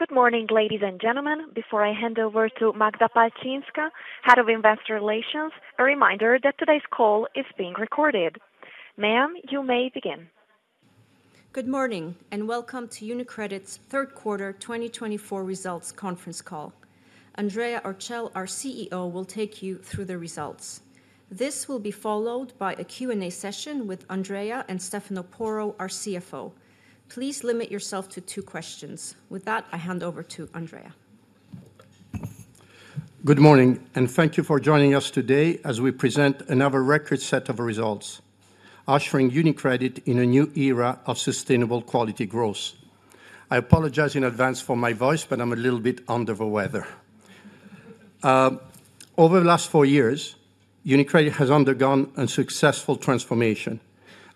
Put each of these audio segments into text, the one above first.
Good morning, ladies and gentlemen. Before I hand over to Magda Palczynska, Head of Investor Relations, a reminder that today's call is being recorded. Ma'am, you may begin. Good morning, and welcome to UniCredit's third quarter 2024 results conference call. Andrea Orcel, our CEO, will take you through the results. This will be followed by a Q&A session with Andrea and Stefano Porro, our CFO. Please limit yourself to two questions. With that, I hand over to Andrea. Good morning, and thank you for joining us today as we present another record set of results, ushering UniCredit in a new era of sustainable quality growth. I apologize in advance for my voice, but I'm a little bit under the weather. Over the last four years, UniCredit has undergone a successful transformation,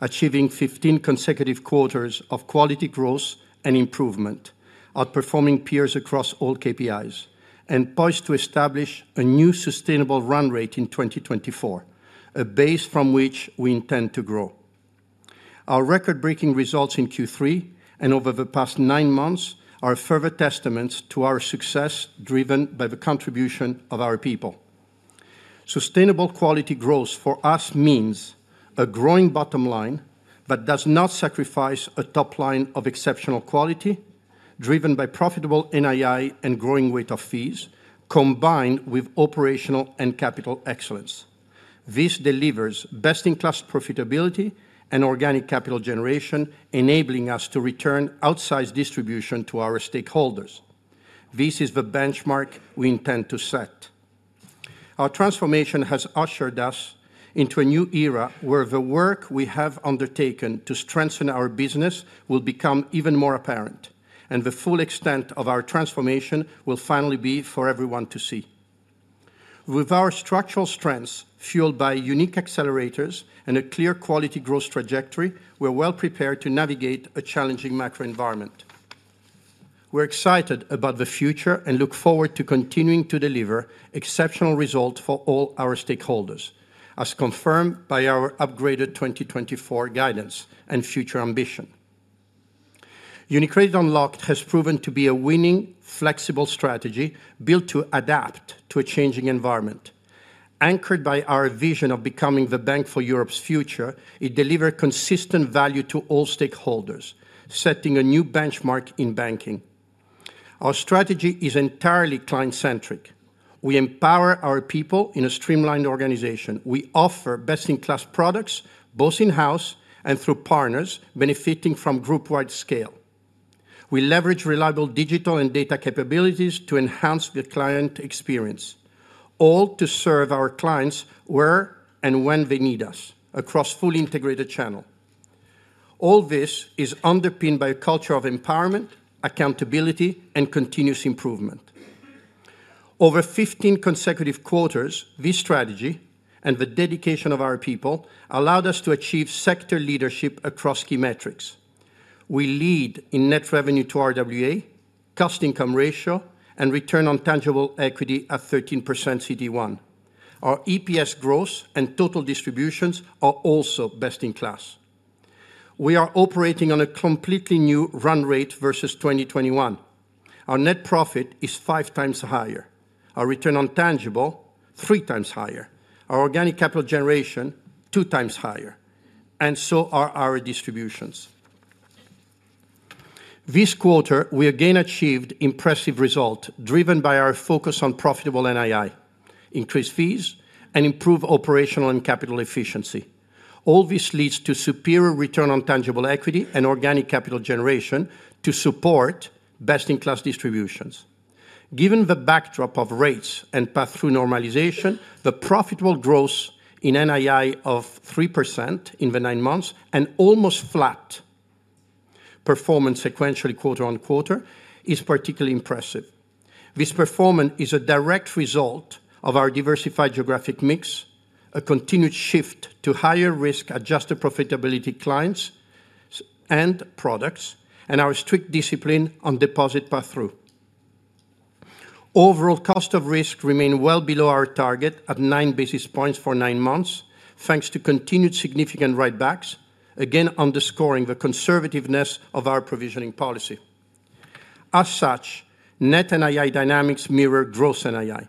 achieving 15 consecutive quarters of quality growth and improvement, outperforming peers across all KPIs, and poised to establish a new sustainable run rate in 2024, a base from which we intend to grow. Our record-breaking results in Q3 and over the past nine months are further testaments to our success driven by the contribution of our people. Sustainable quality growth for us means a growing bottom line that does not sacrifice a top line of exceptional quality, driven by profitable NII and growing weight of fees, combined with operational and capital excellence. This delivers best-in-class profitability and organic capital generation, enabling us to return outsized distribution to our stakeholders. This is the benchmark we intend to set. Our transformation has ushered us into a new era where the work we have undertaken to strengthen our business will become even more apparent, and the full extent of our transformation will finally be for everyone to see. With our structural strengths fueled by unique accelerators and a clear quality growth trajectory, we're well prepared to navigate a challenging macro environment. We're excited about the future and look forward to continuing to deliver exceptional results for all our stakeholders, as confirmed by our upgraded 2024 guidance and future ambition. UniCredit Unlocked has proven to be a winning, flexible strategy built to adapt to a changing environment. Anchored by our vision of becoming the bank for Europe's future, it delivers consistent value to all stakeholders, setting a new benchmark in banking. Our strategy is entirely client-centric. We empower our people in a streamlined organization. We offer best-in-class products both in-house and through partners, benefiting from group-wide scale. We leverage reliable digital and data capabilities to enhance the client experience, all to serve our clients where and when they need us, across a fully integrated channel. All this is underpinned by a culture of empowerment, accountability, and continuous improvement. Over 15 consecutive quarters, this strategy and the dedication of our people allowed us to achieve sector leadership across key metrics. We lead in net revenue to RWA, cost-income ratio, and return on tangible equity at 13% CET1. Our EPS growth and total distributions are also best-in-class. We are operating on a completely new run rate versus 2021. Our net profit is five times higher. Our return on tangible equity, three times higher. Our organic capital generation, two times higher. And so are our distributions. This quarter, we again achieved impressive results driven by our focus on profitable NII, increased fees, and improved operational and capital efficiency. All this leads to superior return on tangible equity and organic capital generation to support best-in-class distributions. Given the backdrop of rates and path through normalization, the profitable growth in NII of 3% in the nine months and almost flat performance sequentially quarter on quarter is particularly impressive. This performance is a direct result of our diversified geographic mix, a continued shift to higher risk-adjusted profitability clients and products, and our strict discipline on deposit pass-through. Overall, cost of risk remained well below our target at nine basis points for nine months, thanks to continued significant write-backs, again underscoring the conservativeness of our provisioning policy. As such, net NII dynamics mirror growth NII.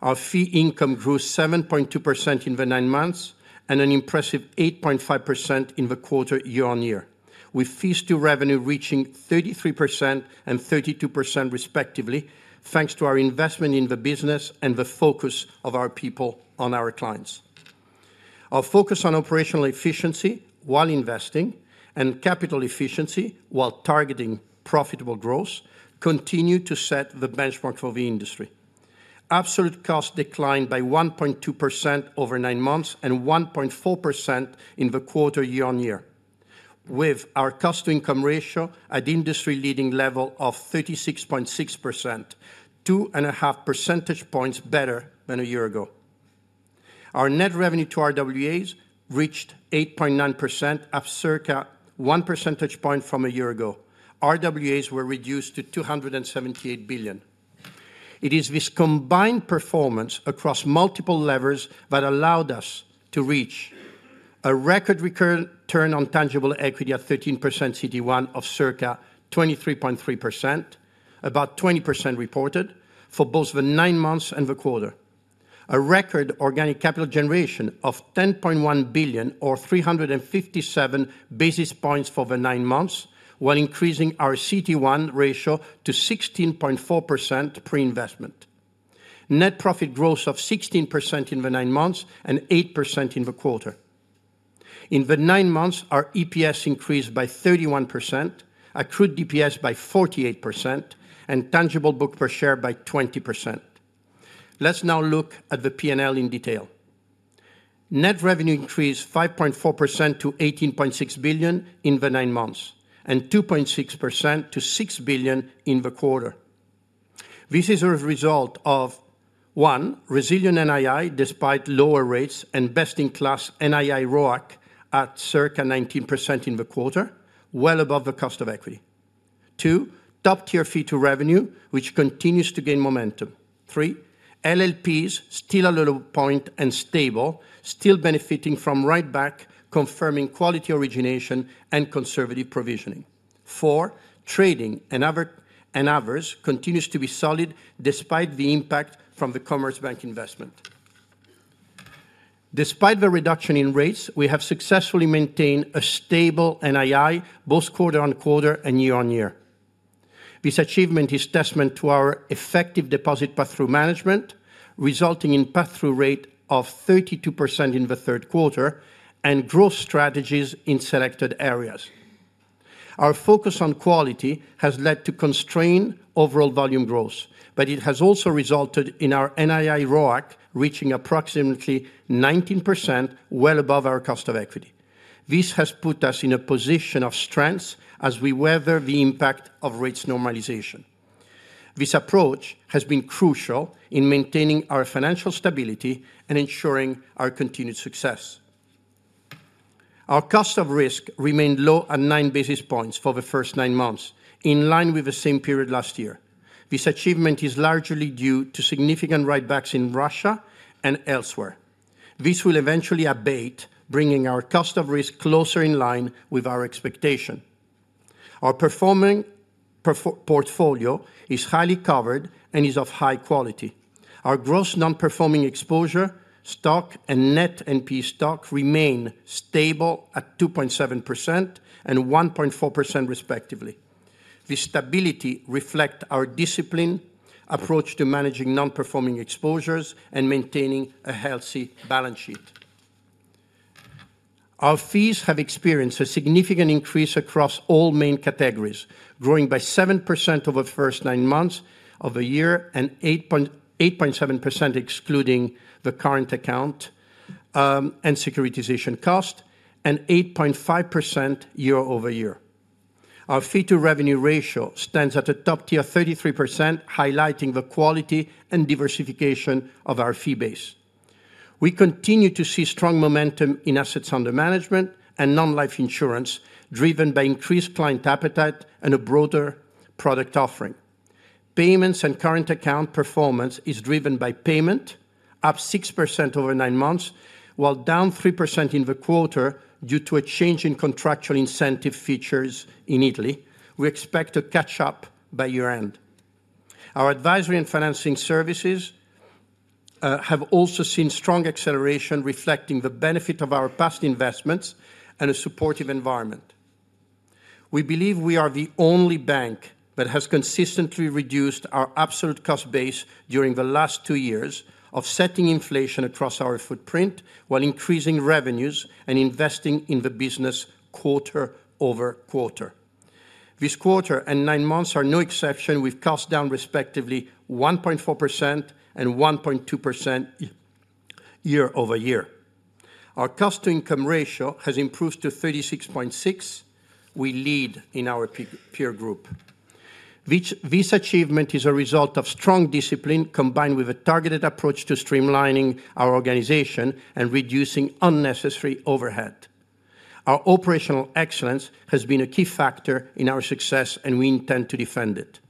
Our fee income grew 7.2% in the nine months and an impressive 8.5% in the quarter year on year, with fees to revenue reaching 33% and 32% respectively, thanks to our investment in the business and the focus of our people on our clients. Our focus on operational efficiency while investing and capital efficiency while targeting profitable growth continued to set the benchmark for the industry. Absolute cost declined by 1.2% over nine months and 1.4% in the quarter year on year, with our cost-to-income ratio at industry-leading level of 36.6%, two and a half percentage points better than a year ago. Our net revenue to RWAs reached 8.9%, up circa one percentage point from a year ago. RWAs were reduced to 278 billion. It is this combined performance across multiple levers that allowed us to reach a record return on tangible equity at 13% CET1 of circa 23.3%, about 20% reported for both the nine months and the quarter, a record organic capital generation of 10.1 billion or 357 basis points for the nine months, while increasing our CET1 ratio to 16.4% pre-investment, net profit growth of 16% in the nine months and 8% in the quarter. In the nine months, our EPS increased by 31%, accrued DPS by 48%, and tangible book per share by 20%. Let's now look at the P&L in detail. Net revenue increased 5.4% to 18.6 billion in the nine months and 2.6% to 6 billion in the quarter. This is a result of, one, resilient NII despite lower rates and best-in-class NII ROAC at circa 19% in the quarter, well above the cost of equity. Two, top-tier fee-to-revenue, which continues to gain momentum. Three, LLPs still at a low point and stable, still benefiting from write-back, confirming quality origination and conservative provisioning. Four, trading and others continue to be solid despite the impact from the Commerzbank investment. Despite the reduction in rates, we have successfully maintained a stable NII both quarter on quarter and year on year. This achievement is testament to our effective deposit pass-through management, resulting in a pass-through rate of 32% in the third quarter and growth strategies in selected areas. Our focus on quality has led to constrained overall volume growth, but it has also resulted in our NII ROAC reaching approximately 19%, well above our cost of equity. This has put us in a position of strength as we weather the impact of rates normalization. This approach has been crucial in maintaining our financial stability and ensuring our continued success. Our cost of risk remained low at nine basis points for the first nine months, in line with the same period last year. This achievement is largely due to significant write-backs in Russia and elsewhere. This will eventually abate, bringing our cost of risk closer in line with our expectation. Our performing portfolio is highly covered and is of high quality. Our gross non-performing exposure, stock, and net NP stock remain stable at 2.7% and 1.4% respectively. This stability reflects our discipline, approach to managing non-performing exposures, and maintaining a healthy balance sheet. Our fees have experienced a significant increase across all main categories, growing by 7% over the first nine months of the year and 8.7% excluding the current account and securitization cost, and 8.5% year over year. Our fee-to-revenue ratio stands at a top tier of 33%, highlighting the quality and diversification of our fee base. We continue to see strong momentum in assets under management and non-life insurance, driven by increased client appetite and a broader product offering. Payments and current account performance is driven by payment, up 6% over nine months, while down 3% in the quarter due to a change in contractual incentive features in Italy. We expect to catch up by year-end. Our advisory and financing services have also seen strong acceleration, reflecting the benefit of our past investments and a supportive environment. We believe we are the only bank that has consistently reduced our absolute cost base during the last two years of setting inflation across our footprint while increasing revenues and investing in the business quarter over quarter. This quarter and nine months are no exception, with costs down respectively 1.4% and 1.2% year over year. Our cost-to-income ratio has improved to 36.6%. We lead in our peer group. This achievement is a result of strong discipline combined with a targeted approach to streamlining our organization and reducing unnecessary overhead. Our operational excellence has been a key factor in our success, and we intend to defend it.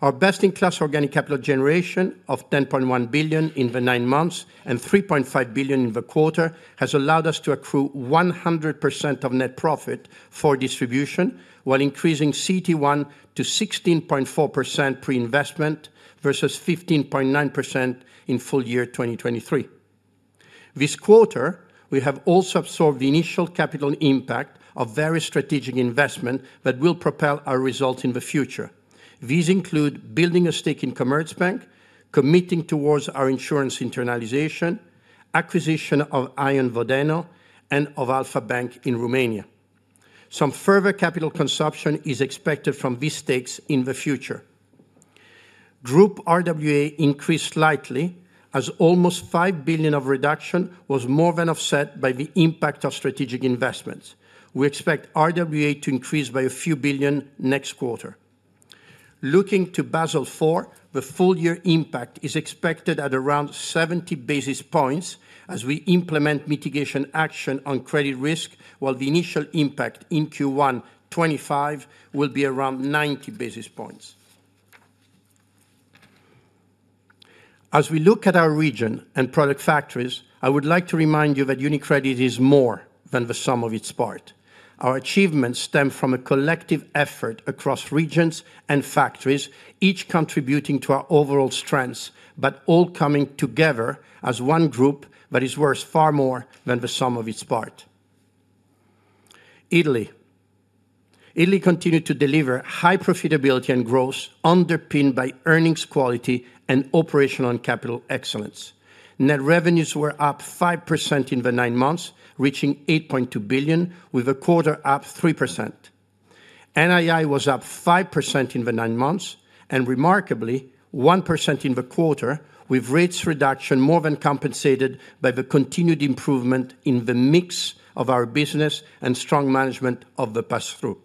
Our best-in-class organic capital generation of 10.1 billion in the nine months and 3.5 billion in the quarter has allowed us to accrue 100% of net profit for distribution while increasing CT1 to 16.4% pre-investment versus 15.9% in full year 2023. This quarter, we have also absorbed the initial capital impact of various strategic investments that will propel our results in the future. These include building a stake in Commerzbank, committing towards our insurance internalization, acquisition of Aion and Vodeno and of Alpha Bank Romania. Some further capital consumption is expected from these stakes in the future. Group RWA increased slightly as almost 5 billion of reduction was more than offset by the impact of strategic investments. We expect RWA to increase by a few billion next quarter. Looking to Basel IV, the full year impact is expected at around 70 basis points as we implement mitigation action on credit risk, while the initial impact in Q1 2025 will be around 90 basis points. As we look at our region and product factories, I would like to remind you that UniCredit is more than the sum of its parts. Our achievements stem from a collective effort across regions and factories, each contributing to our overall strengths, but all coming together as one group that is worth far more than the sum of its part. Italy. Italy continued to deliver high profitability and growth underpinned by earnings quality and operational and capital excellence. Net revenues were up 5% in the nine months, reaching 8.2 billion, with the quarter up 3%. NII was up 5% in the nine months and remarkably 1% in the quarter, with rates reduction more than compensated by the continued improvement in the mix of our business and strong management of the pass-through.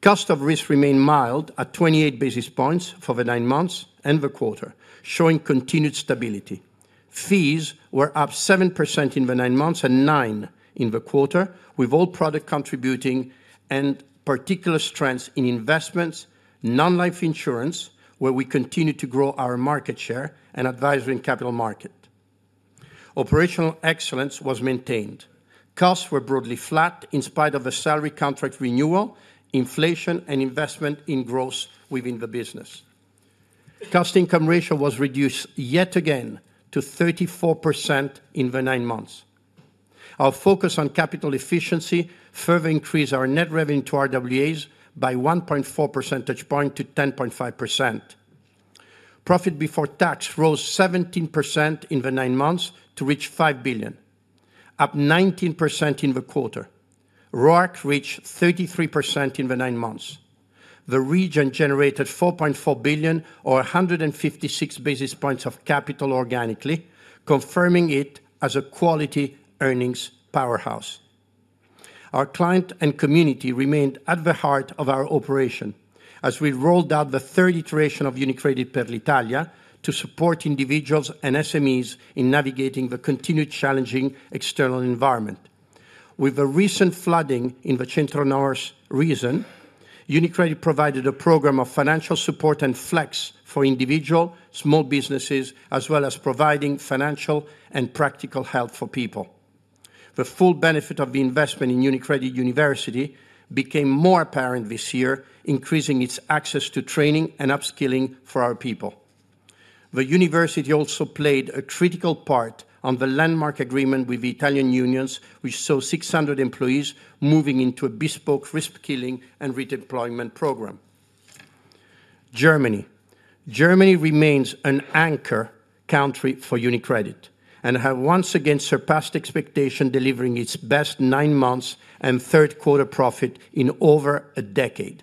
Cost of risk remained mild at 28 basis points for the nine months and the quarter, showing continued stability. Fees were up 7% in the nine months and 9% in the quarter, with all product contributing and particular strengths in investments, non-life insurance, where we continue to grow our market share and advisory and capital market. Operational excellence was maintained. Costs were broadly flat in spite of the salary contract renewal, inflation, and investment in growth within the business. Cost-to-income ratio was reduced yet again to 34% in the nine months. Our focus on capital efficiency further increased our net revenue to RWAs by 1.4 percentage points to 10.5%. Profit before tax rose 17% in the nine months to reach 5 billion, up 19% in the quarter. ROAC reached 33% in the nine months. The region generated 4.4 billion or 156 basis points of capital organically, confirming it as a quality earnings powerhouse. Our clients and community remained at the heart of our operation as we rolled out the third iteration of UniCredit Per l'Italia to support individuals and SMEs in navigating the continued challenging external environment. With the recent flooding in the central-north region, UniCredit provided a program of financial support and flex for individuals, small businesses, as well as providing financial and practical help for people. The full benefit of the investment in UniCredit University became more apparent this year, increasing its access to training and upskilling for our people. The university also played a critical part in the landmark agreement with the Italian unions, which saw 600 employees moving into a bespoke reskilling and redeployment program. Germany remains an anchor country for UniCredit and has once again surpassed expectations, delivering its best nine months and third quarter profit in over a decade.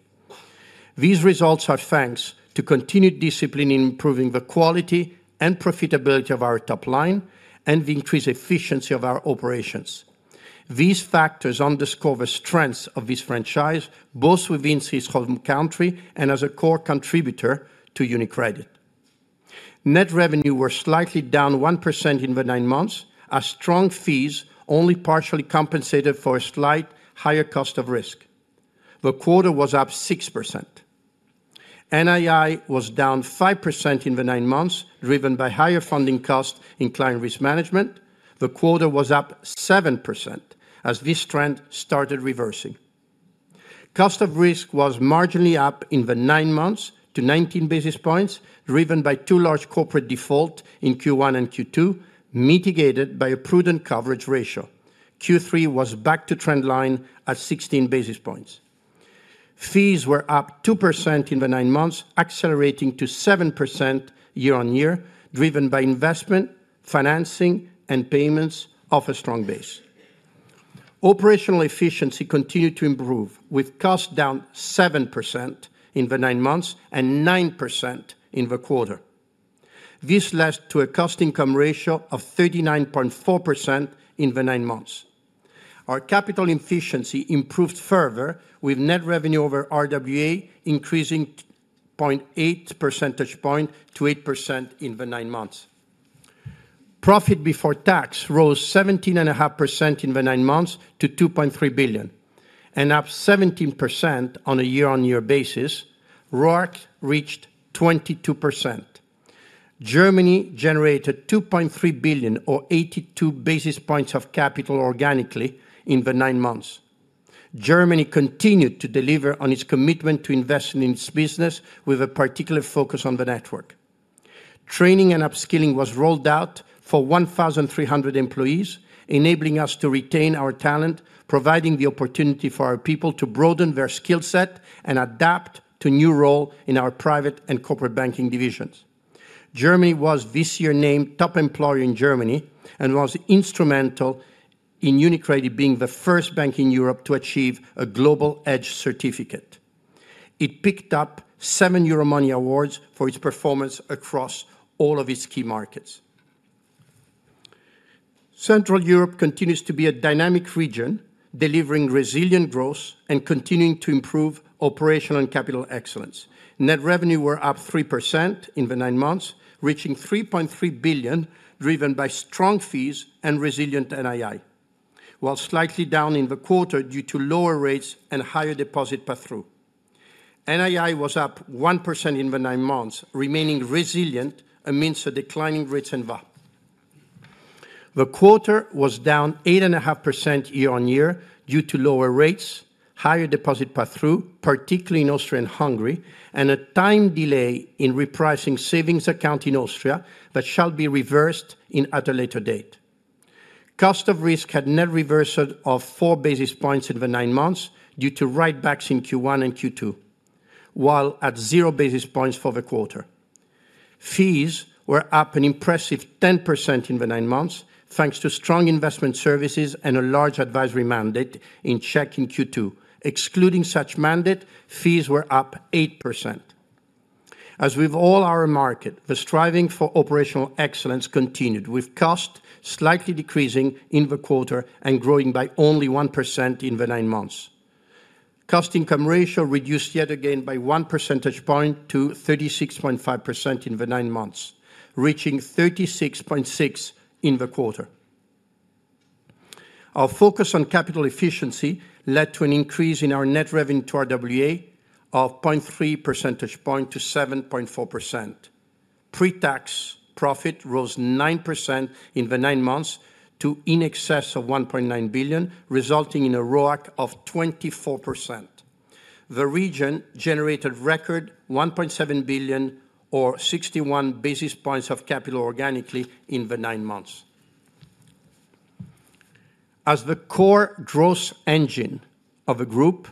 These results are thanks to continued discipline in improving the quality and profitability of our top line and the increased efficiency of our operations. These factors underscore the strengths of this franchise, both within its home country and as a core contributor to UniCredit. Net revenue was slightly down 1% in the nine months, as strong fees only partially compensated for a slight higher cost of risk. The quarter was up 6%. NII was down 5% in the nine months, driven by higher funding costs in client risk management. The quarter was up 7% as this trend started reversing. Cost of risk was marginally up in the nine months to 19 basis points, driven by two large corporate defaults in Q1 and Q2, mitigated by a prudent coverage ratio. Q3 was back to trendline at 16 basis points. Fees were up 2% in the nine months, accelerating to 7% year-on-year, driven by investment, financing, and payments off a strong base. Operational efficiency continued to improve, with costs down 7% in the nine months and 9% in the quarter. This led to a cost-to-income ratio of 39.4% in the nine months. Our capital efficiency improved further, with net revenue over RWA increasing 0.8 percentage points to 8% in the nine months. Profit before tax rose 17.5% in the nine months to 2.3 billion and up 17% on a year-on-year basis. ROAC reached 22%. Germany generated 2.3 billion or 82 basis points of capital organically in the nine months. Germany continued to deliver on its commitment to investing in its business, with a particular focus on the network. Training and upskilling was rolled out for 1,300 employees, enabling us to retain our talent, providing the opportunity for our people to broaden their skill set and adapt to new roles in our private and corporate banking divisions. Germany was this year named top employer in Germany and was instrumental in UniCredit being the first bank in Europe to achieve a Global EDGE certificate. It picked up seven Euromoney Awards for its performance across all of its key markets. Central Europe continues to be a dynamic region, delivering resilient growth and continuing to improve operational and capital excellence. Net revenue was up 3% in the nine months, reaching 3.3 billion, driven by strong fees and resilient NII, while slightly down in the quarter due to lower rates and higher deposit pass-through. NII was up 1% in the nine months, remaining resilient amidst the declining rates and VAT. The quarter was down 8.5% year on year due to lower rates, higher deposit pass-through, particularly in Austria and Hungary, and a time delay in repricing savings accounts in Austria that shall be reversed at a later date. Cost of risk had net reversal of four basis points in the nine months due to write-backs in Q1 and Q2, while at zero basis points for the quarter. Fees were up an impressive 10% in the nine months, thanks to strong investment services and a large advisory mandate in Czech in Q2. Excluding such mandate, fees were up 8%. As with all our markets, the striving for operational excellence continued, with costs slightly decreasing in the quarter and growing by only 1% in the nine months. Cost-to-income ratio reduced yet again by one percentage point to 36.5% in the nine months, reaching 36.6% in the quarter. Our focus on capital efficiency led to an increase in our net revenue to RWA of 0.3 percentage points to 7.4%. Pre-tax profit rose 9% in the nine months to in excess of 1.9 billion, resulting in a ROAC of 24%. The region generated record 1.7 billion or 61 basis points of capital organically in the nine months. As the core growth engine of a group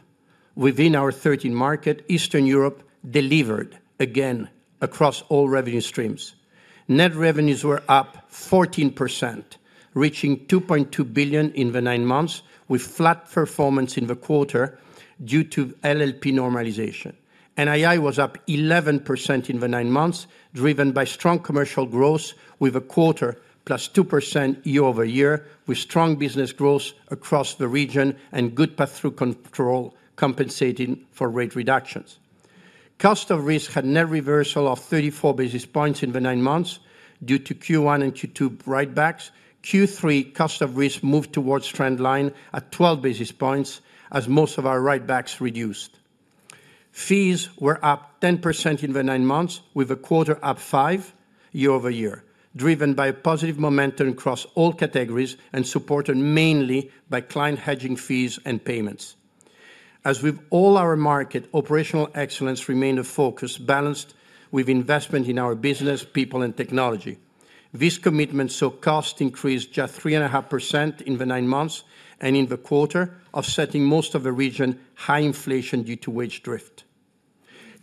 within our 13 markets, Eastern Europe delivered again across all revenue streams. Net revenues were up 14%, reaching 2.2 billion in the nine months, with flat performance in the quarter due to LLP normalization. NII was up 11% in the nine months, driven by strong commercial growth with a quarter plus 2% year over year, with strong business growth across the region and good path-through control compensating for rate reductions. Cost of risk had net reversal of 34 basis points in the nine months due to Q1 and Q2 write-backs. Q3, cost of risk moved towards trendline at 12 basis points as most of our write-backs reduced. Fees were up 10% in the nine months, with a quarter up 5% year over year, driven by positive momentum across all categories and supported mainly by client hedging fees and payments. As with all our markets, operational excellence remained a focus balanced with investment in our business, people, and technology. This commitment saw costs increase just 3.5% in the nine months and in the quarter, offsetting most of the region's high inflation due to wage drift.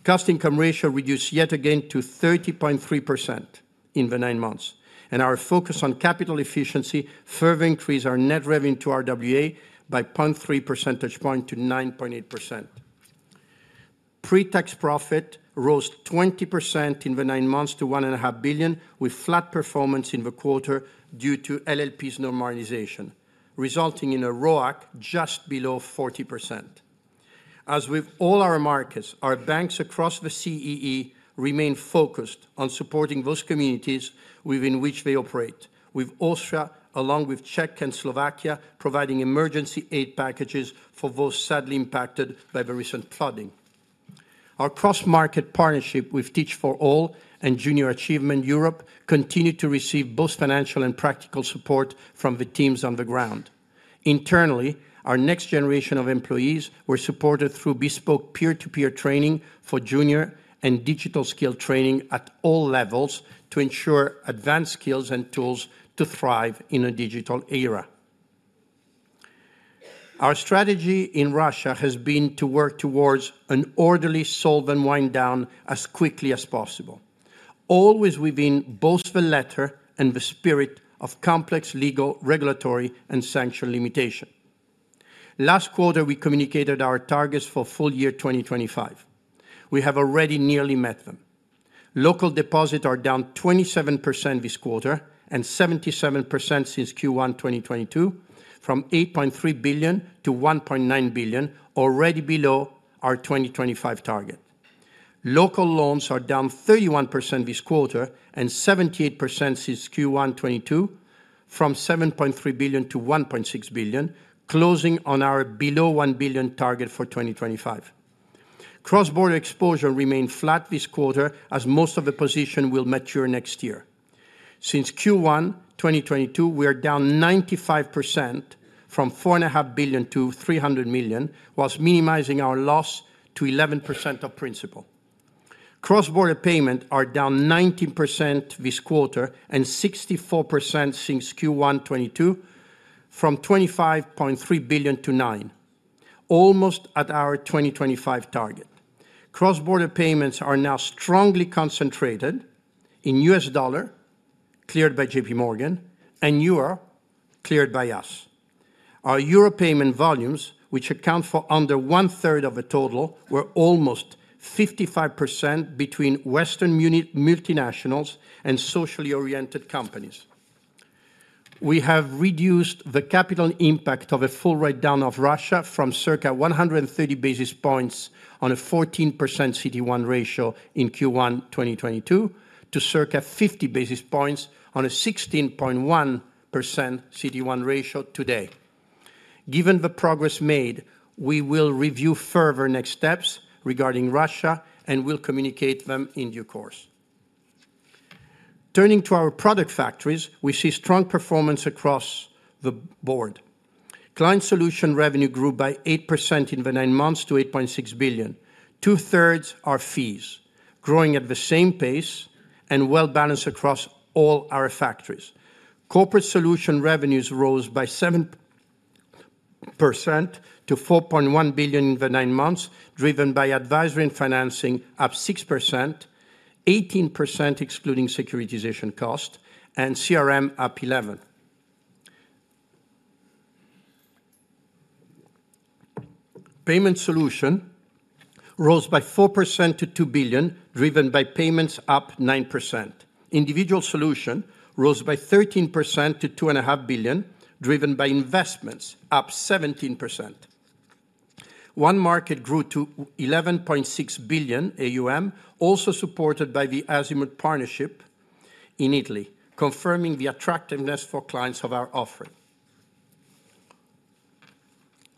Cost-to-income ratio reduced yet again to 30.3% in the nine months, and our focus on capital efficiency further increased our net revenue to RWA by 0.3 percentage points to 9.8%. Pre-tax profit rose 20% in the nine months to 1.5 billion, with flat performance in the quarter due to LLP's normalization, resulting in a ROAC just below 40%. As with all our markets, our banks across the CEE remain focused on supporting those communities within which they operate, with Austria, along with Czech and Slovakia providing emergency aid packages for those sadly impacted by the recent flooding. Our cross-market partnership with Teach For All and Junior Achievement Europe continued to receive both financial and practical support from the teams on the ground. Internally, our next generation of employees were supported through bespoke peer-to-peer training for junior and digital skill training at all levels to ensure advanced skills and tools to thrive in a digital era. Our strategy in Russia has been to work towards an orderly solve-and-wind-down as quickly as possible, always within both the letter and the spirit of complex legal, regulatory, and sanction limitations. Last quarter, we communicated our targets for full year 2025. We have already nearly met them. Local deposits are down 27% this quarter and 77% since Q1 2022, from 8.3 billion to 1.9 billion, already below our 2025 target. Local loans are down 31% this quarter and 78% since Q1 2022, from 7.3 billion to 1.6 billion, closing on our below-EUR 1 billion target for 2025. Cross-border exposure remained flat this quarter, as most of the position will mature next year. Since Q1 2022, we are down 95%, from 4.5 billion to 300 million, whilst minimizing our loss to 11% of principal. Cross-border payments are down 19% this quarter and 64% since Q1 2022, from 25.3 billion to 9%, almost at our 2025 target. Cross-border payments are now strongly concentrated in US dollars cleared by J.P. Morgan and EUR cleared by us. Our EUR payment volumes, which account for under one-third of the total, were almost 55% between Western multinationals and socially oriented companies. We have reduced the capital impact of a full write-down of Russia from circa 130 basis points on a 14% CD1 ratio in Q1 2022 to circa 50 basis points on a 16.1% CD1 ratio today. Given the progress made, we will review further next steps regarding Russia and will communicate them in due course. Turning to our product factories, we see strong performance across the board. Client solution revenue grew by 8% in the nine months to 8.6 billion. Two-thirds are fees, growing at the same pace and well-balanced across all our factories. Corporate solution revenues rose by 7% to 4.1 billion in the nine months, driven by advisory and financing up 6%, 18% excluding securitization cost, and CRM up 11%. Payment solution rose by 4% to 2 billion, driven by payments up 9%. Individual solution rose by 13% to 2.5 billion, driven by investments up 17%. onemarkets grew to 11.6 billion AUM, also supported by the Azimut partnership in Italy, confirming the attractiveness for clients of our offering.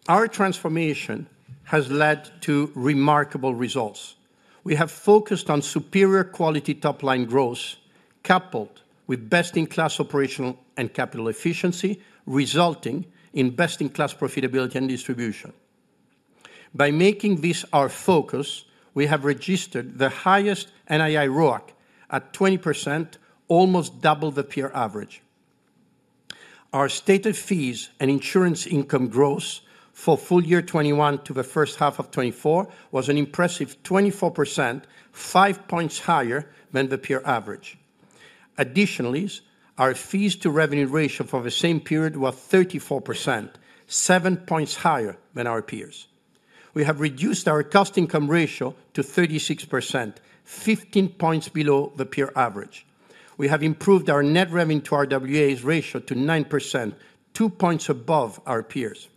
Our transformation has led to remarkable results. We have focused on superior quality top-line growth coupled with best-in-class operational and capital efficiency, resulting in best-in-class profitability and distribution. By making this our focus, we have registered the highest NII ROAC at 20%, almost double the peer average. Our stated fees and insurance income growth for full year 2021 to the first half of 2024 was an impressive 24%, five points higher than the peer average. Additionally, our fees-to-revenue ratio for the same period was 34%, seven points higher than our peers. We have reduced our cost-income ratio to 36%, 15 points below the peer average. We have improved our net revenue to RWA ratio to 9%, two points above our peers.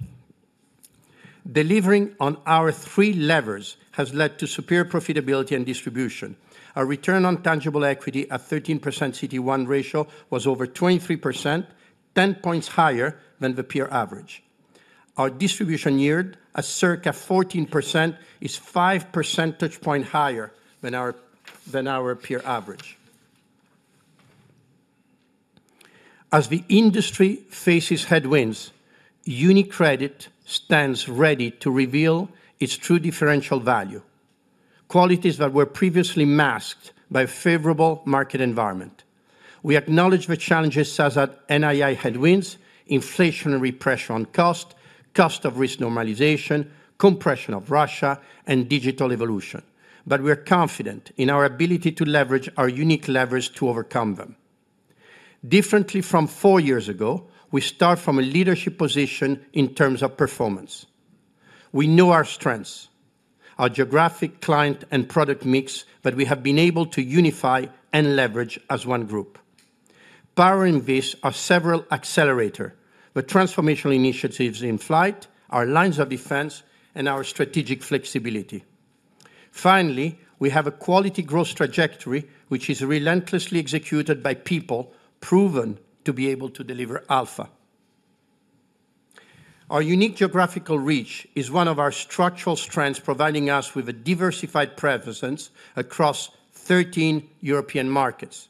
Delivering on our three levers has led to superior profitability and distribution. Our return on tangible equity at 13% CD1 ratio was over 23%, ten points higher than the peer average. Our distribution yield at circa 14% is 5 percentage points higher than our peer average. As the industry faces headwinds, UniCredit stands ready to reveal its true differential value: qualities that were previously masked by a favorable market environment. We acknowledge the challenges such as NII headwinds, inflationary pressure on cost, cost-of-risk normalization, compression of Russia, and digital evolution. But we are confident in our ability to leverage our unique levers to overcome them. Differently from four years ago, we start from a leadership position in terms of performance. We know our strengths, our geographic client and product mix, that we have been able to unify and leverage as one group. Powering this are several accelerators: the transformational initiatives in flight, our lines of defense, and our strategic flexibility. Finally, we have a quality growth trajectory, which is relentlessly executed by people proven to be able to deliver alpha. Our unique geographical reach is one of our structural strengths, providing us with a diversified presence across 13 European markets.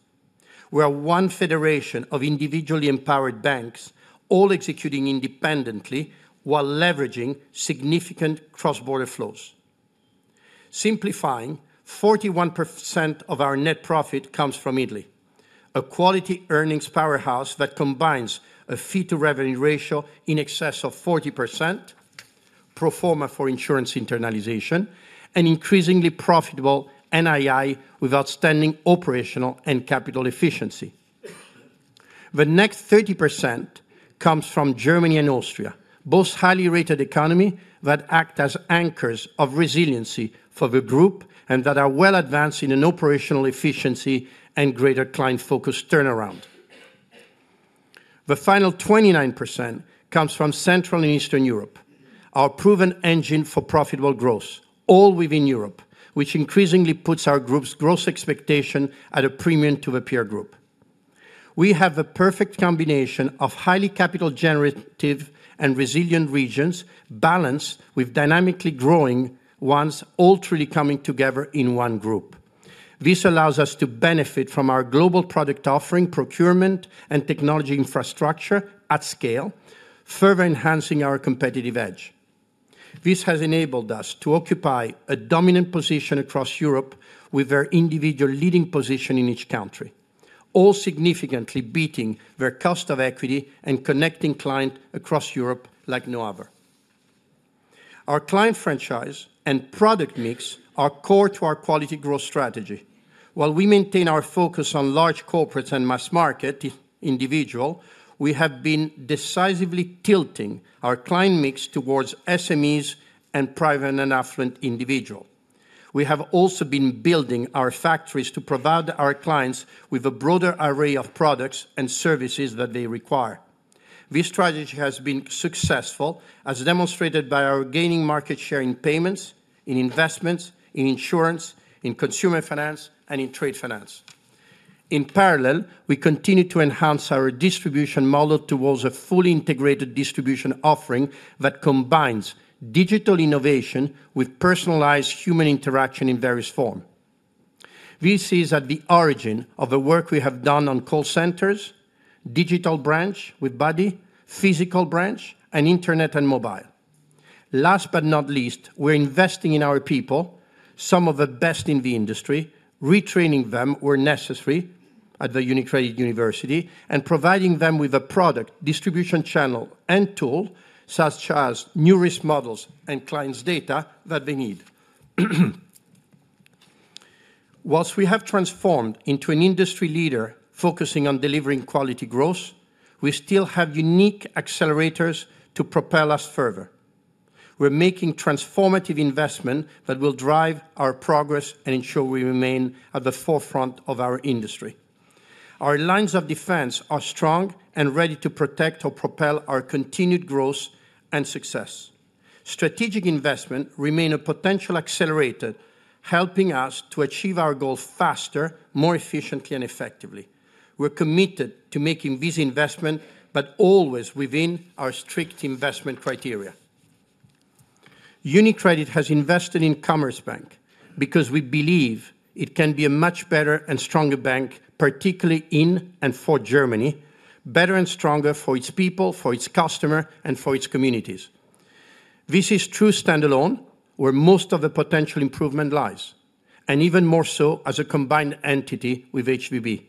We are one federation of individually empowered banks, all executing independently while leveraging significant cross-border flows. Simplifying, 41% of our net profit comes from Italy, a quality earnings powerhouse that combines a fee-to-revenue ratio in excess of 40%, pro forma for insurance internalization, and increasingly profitable NII with outstanding operational and capital efficiency. The next 30% comes from Germany and Austria, both highly rated economies that act as anchors of resiliency for the group and that are well advanced in operational efficiency and greater client-focused turnaround. The final 29% comes from Central and Eastern Europe, our proven engine for profitable growth, all within Europe, which increasingly puts our group's growth expectation at a premium to the peer group. We have the perfect combination of highly capital-generative and resilient regions, balanced with dynamically growing ones all truly coming together in one group. This allows us to benefit from our global product offering, procurement, and technology infrastructure at scale, further enhancing our competitive edge. This has enabled us to occupy a dominant position across Europe with our individual leading position in each country, all significantly beating their cost of equity and connecting clients across Europe like no other. Our client franchise and product mix are core to our quality growth strategy. While we maintain our focus on large corporates and mass-market individuals, we have been decisively tilting our client mix towards SMEs and private and affluent individuals. We have also been building our factories to provide our clients with a broader array of products and services that they require. This strategy has been successful, as demonstrated by our gaining market share in payments, in investments, in insurance, in consumer finance, and in trade finance. In parallel, we continue to enhance our distribution model towards a fully integrated distribution offering that combines digital innovation with personalized human interaction in various forms. This is at the origin of the work we have done on call centers, digital branch with buddy, physical branch, and internet and mobile. Last but not least, we're investing in our people, some of the best in the industry, retraining them where necessary at the UniCredit University, and providing them with a product, distribution channel, and tool such as new risk models and clients' data that they need. While we have transformed into an industry leader focusing on delivering quality growth, we still have unique accelerators to propel us further. We're making transformative investments that will drive our progress and ensure we remain at the forefront of our industry. Our lines of defense are strong and ready to protect or propel our continued growth and success. Strategic investments remain a potential accelerator, helping us to achieve our goals faster, more efficiently, and effectively. We're committed to making these investments, but always within our strict investment criteria. UniCredit has invested in Commerzbank because we believe it can be a much better and stronger bank, particularly in and for Germany, better and stronger for its people, for its customers, and for its communities. This is true standalone, where most of the potential improvement lies, and even more so as a combined entity with HBB.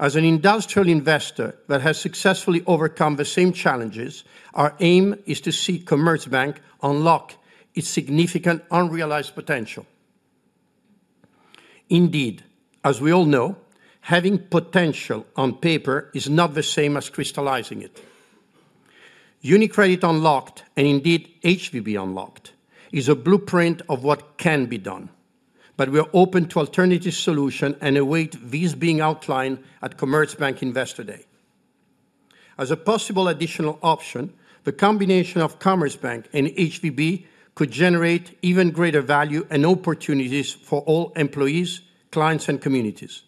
As an industrial investor that has successfully overcome the same challenges, our aim is to see Commerzbank unlock its significant unrealized potential. Indeed, as we all know, having potential on paper is not the same as crystallizing it. UniCredit Unlocked, and indeed HBB Unlocked, is a blueprint of what can be done. But we are open to alternative solutions and await these being outlined at Commerzbank Investor Day. As a possible additional option, the combination of Commerzbank and HVB could generate even greater value and opportunities for all employees, clients, and communities.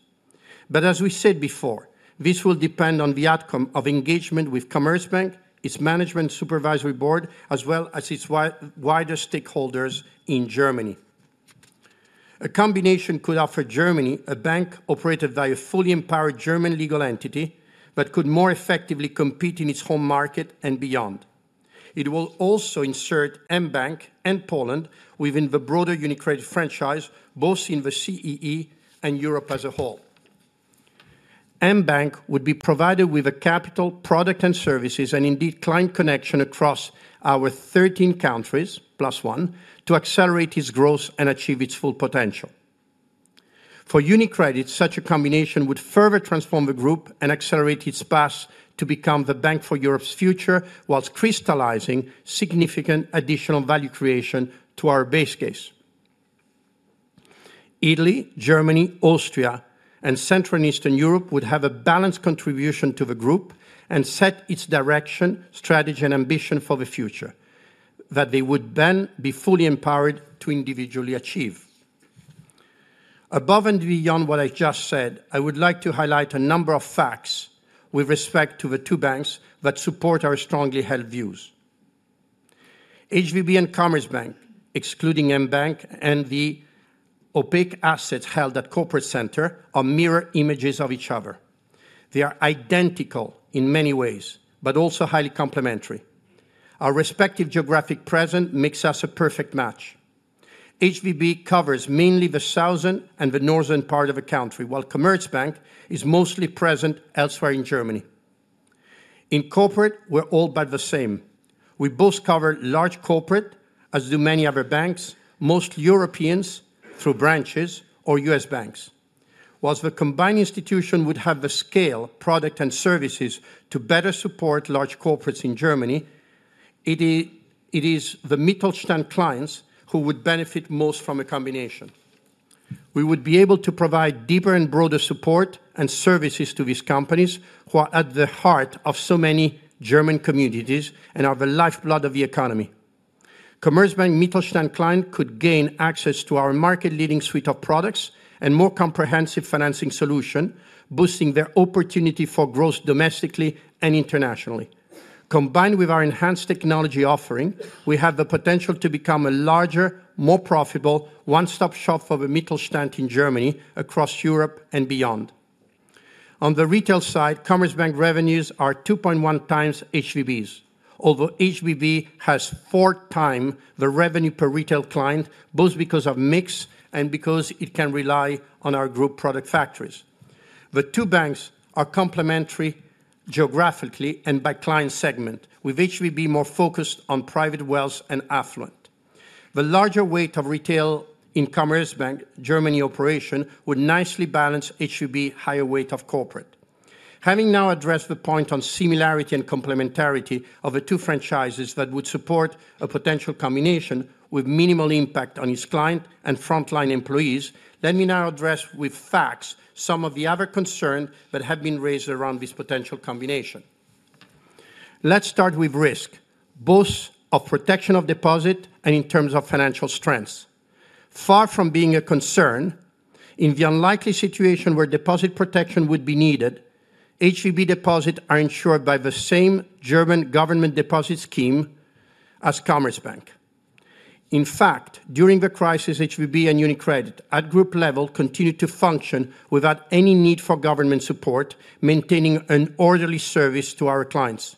But as we said before, this will depend on the outcome of engagement with Commerzbank, its management supervisory board, as well as its wider stakeholders in Germany. A combination could offer Germany a bank operated by a fully empowered German legal entity, but could more effectively compete in its home market and beyond. It will also insert mBank and Poland within the broader UniCredit franchise, both in the CEE and Europe as a whole. mBank would be provided with the capital, product, and services, and indeed client connection across our 13 countries, plus one, to accelerate its growth and achieve its full potential. For UniCredit, such a combination would further transform the group and accelerate its path to become the bank for Europe's future, while crystallizing significant additional value creation to our base case. Italy, Germany, Austria, and Central and Eastern Europe would have a balanced contribution to the group and set its direction, strategy, and ambition for the future that they would then be fully empowered to individually achieve. Above and beyond what I just said, I would like to highlight a number of facts with respect to the two banks that support our strongly held views. HBB and Commerzbank, excluding mBank, and the opaque assets held at Corporate Center are mirror images of each other. They are identical in many ways, but also highly complementary. Our respective geographic presence makes us a perfect match. HBB covers mainly the southern and the northern part of the country, while Commerzbank is mostly present elsewhere in Germany. In corporate, we're all but the same. We both cover large corporate, as do many other banks, most Europeans through branches or US banks. While the combined institution would have the scale, product, and services to better support large corporates in Germany, it is the Mittelstand clients who would benefit most from a combination. We would be able to provide deeper and broader support and services to these companies who are at the heart of so many German communities and are the lifeblood of the economy. Commerzbank Mittelstand client could gain access to our market-leading suite of products and more comprehensive financing solutions, boosting their opportunity for growth domestically and internationally. Combined with our enhanced technology offering, we have the potential to become a larger, more profitable one-stop shop for the Mittelstand in Germany, across Europe and beyond. On the retail side, Commerzbank revenues are 2.1 times HBB's, although HBB has four times the revenue per retail client, both because of mix and because it can rely on our group product factories. The two banks are complementary geographically and by client segment, with HVB more focused on private wealth and affluent. The larger weight of retail in Commerzbank Germany operation would nicely balance HVB's higher weight of corporate. Having now addressed the point on similarity and complementarity of the two franchises that would support a potential combination with minimal impact on its client and frontline employees, let me now address with facts some of the other concerns that have been raised around this potential combination. Let's start with risk, both of protection of deposit and in terms of financial strength. Far from being a concern, in the unlikely situation where deposit protection would be needed, HVB deposits are insured by the same German government deposit scheme as Commerzbank. In fact, during the crisis, HVB and UniCredit at group level continued to function without any need for government support, maintaining an orderly service to our clients.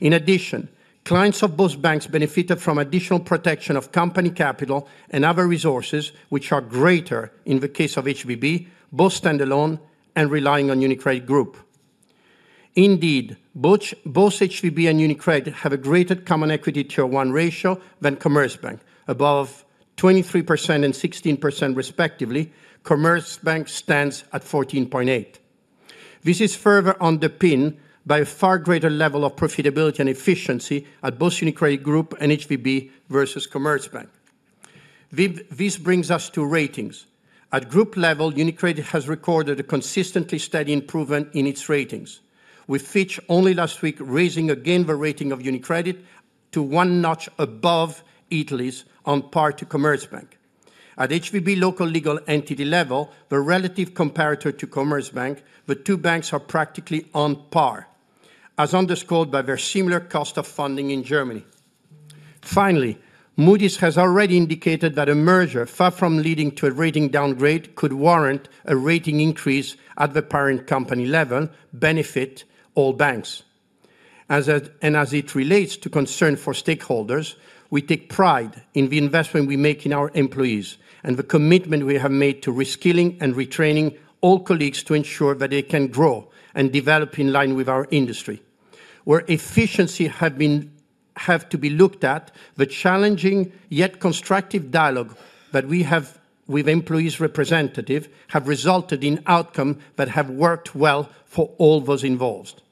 In addition, clients of both banks benefited from additional protection of company capital and other resources, which are greater in the case of HVB, both standalone and relying on UniCredit Group. Indeed, both HVB and UniCredit have a greater Common Equity Tier 1 ratio than Commerzbank, above 23% and 16% respectively. Commerzbank stands at 14.8%. This is further underpinned by a far greater level of profitability and efficiency at both UniCredit Group and HVB versus Commerzbank. This brings us to ratings. At group level, UniCredit has recorded a consistently steady improvement in its ratings, with Fitch only last week raising again the rating of UniCredit to one notch above Italy's on par to Commerzbank. At HVB local legal entity level, the relative comparator to Commerzbank, the two banks are practically on par, as underscored by their similar cost of funding in Germany. Finally, Moody's has already indicated that a merger, far from leading to a rating downgrade, could warrant a rating increase at the parent company level, benefit all banks. And as it relates to concern for stakeholders, we take pride in the investment we make in our employees and the commitment we have made to reskilling and retraining all colleagues to ensure that they can grow and develop in line with our industry. Where efficiency has to be looked at, the challenging yet constructive dialogue that we have with employees' representatives has resulted in outcomes that have worked well for all those involved,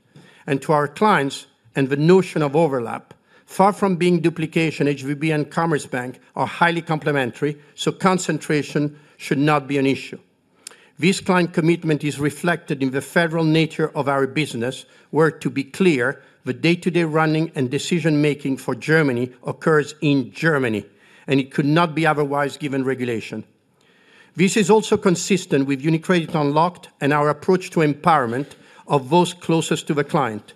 and to our clients and the notion of overlap, far from being duplication, HVB and Commerzbank are highly complementary, so concentration should not be an issue. This client commitment is reflected in the federal nature of our business, where, to be clear, the day-to-day running and decision-making for Germany occurs in Germany, and it could not be otherwise given regulation. This is also consistent with UniCredit Unlocked and our approach to empowerment of those closest to the client,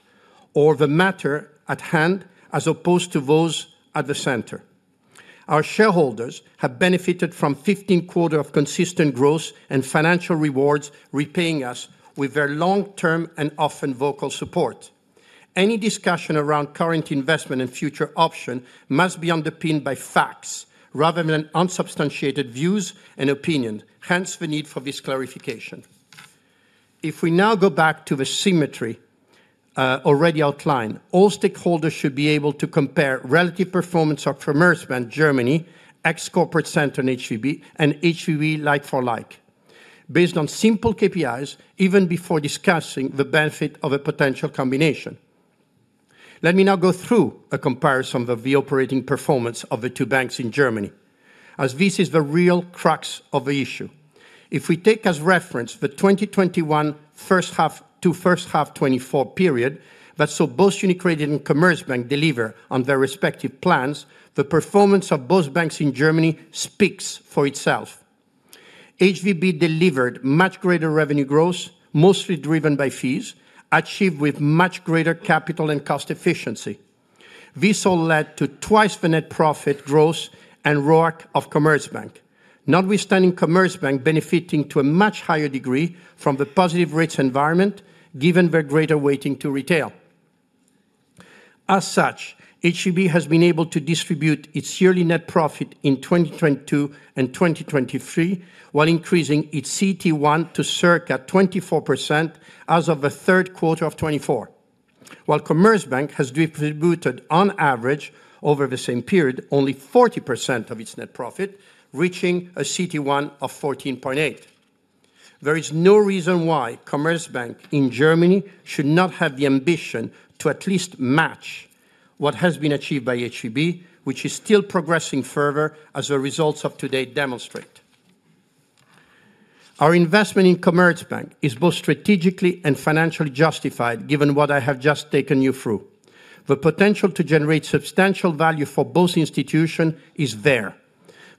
or the matter at hand, as opposed to those at the center. Our shareholders have benefited from 15 quarters of consistent growth and financial rewards, repaying us with their long-term and often vocal support. Any discussion around current investment and future options must be underpinned by facts rather than unsubstantiated views and opinions, hence the need for this clarification. If we now go back to the symmetry already outlined, all stakeholders should be able to compare relative performance of Commerzbank Germany, ex-Corporate Center and HVB, and HVB like-for-like, based on simple KPIs, even before discussing the benefit of a potential combination. Let me now go through a comparison of the operating performance of the two banks in Germany, as this is the real crux of the issue. If we take as reference the 2021 first half to first half 2024 period that saw both UniCredit and Commerzbank deliver on their respective plans, the performance of both banks in Germany speaks for itself. HVB delivered much greater revenue growth, mostly driven by fees, achieved with much greater capital and cost efficiency. This all led to twice the net profit growth and ROAC of Commerzbank, notwithstanding Commerzbank benefiting to a much higher degree from the positive rates environment, given their greater weighting to retail. As such, HVB has been able to distribute its yearly net profit in 2022 and 2023, while increasing its CT1 to circa 24% as of the third quarter of 2024, while Commerzbank has distributed on average over the same period only 40% of its net profit, reaching a CT1 of 14.8%. There is no reason why Commerzbank in Germany should not have the ambition to at least match what has been achieved by HVB, which is still progressing further as the results of today demonstrate. Our investment in Commerzbank is both strategically and financially justified, given what I have just taken you through. The potential to generate substantial value for both institutions is there.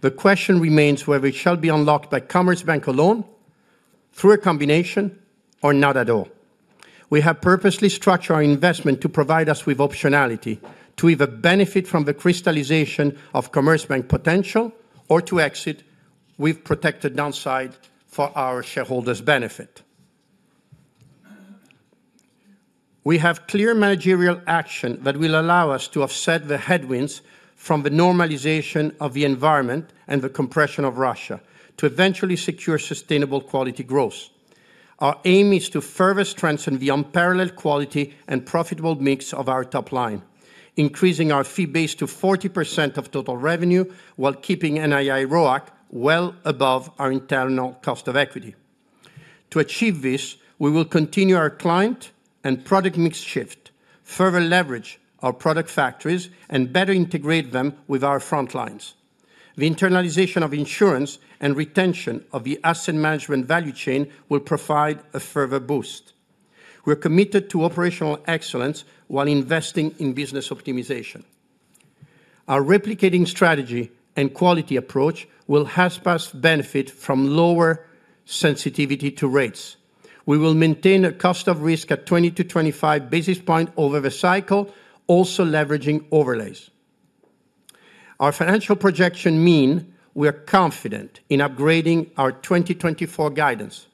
The question remains whether it shall be unlocked by Commerzbank alone, through a combination, or not at all. We have purposely structured our investment to provide us with optionality, to either benefit from the crystallization of Commerzbank potential or to exit with protected downside for our shareholders' benefit. We have clear managerial action that will allow us to offset the headwinds from the normalization of the environment and the compression of Russia, to eventually secure sustainable quality growth. Our aim is to further strengthen the unparalleled quality and profitable mix of our top line, increasing our fee base to 40% of total revenue while keeping NII ROAC well above our internal cost of equity. To achieve this, we will continue our client and product mix shift, further leverage our product factories, and better integrate them with our frontlines. The internalization of insurance and retention of the asset management value chain will provide a further boost. We're committed to operational excellence while investing in business optimization. Our replicating strategy and quality approach will have a positive benefit from lower sensitivity to rates. We will maintain a cost of risk at 20 to 25 basis points over the cycle, also leveraging overlays. Our financial projections mean we are confident in upgrading our 2024 guidance.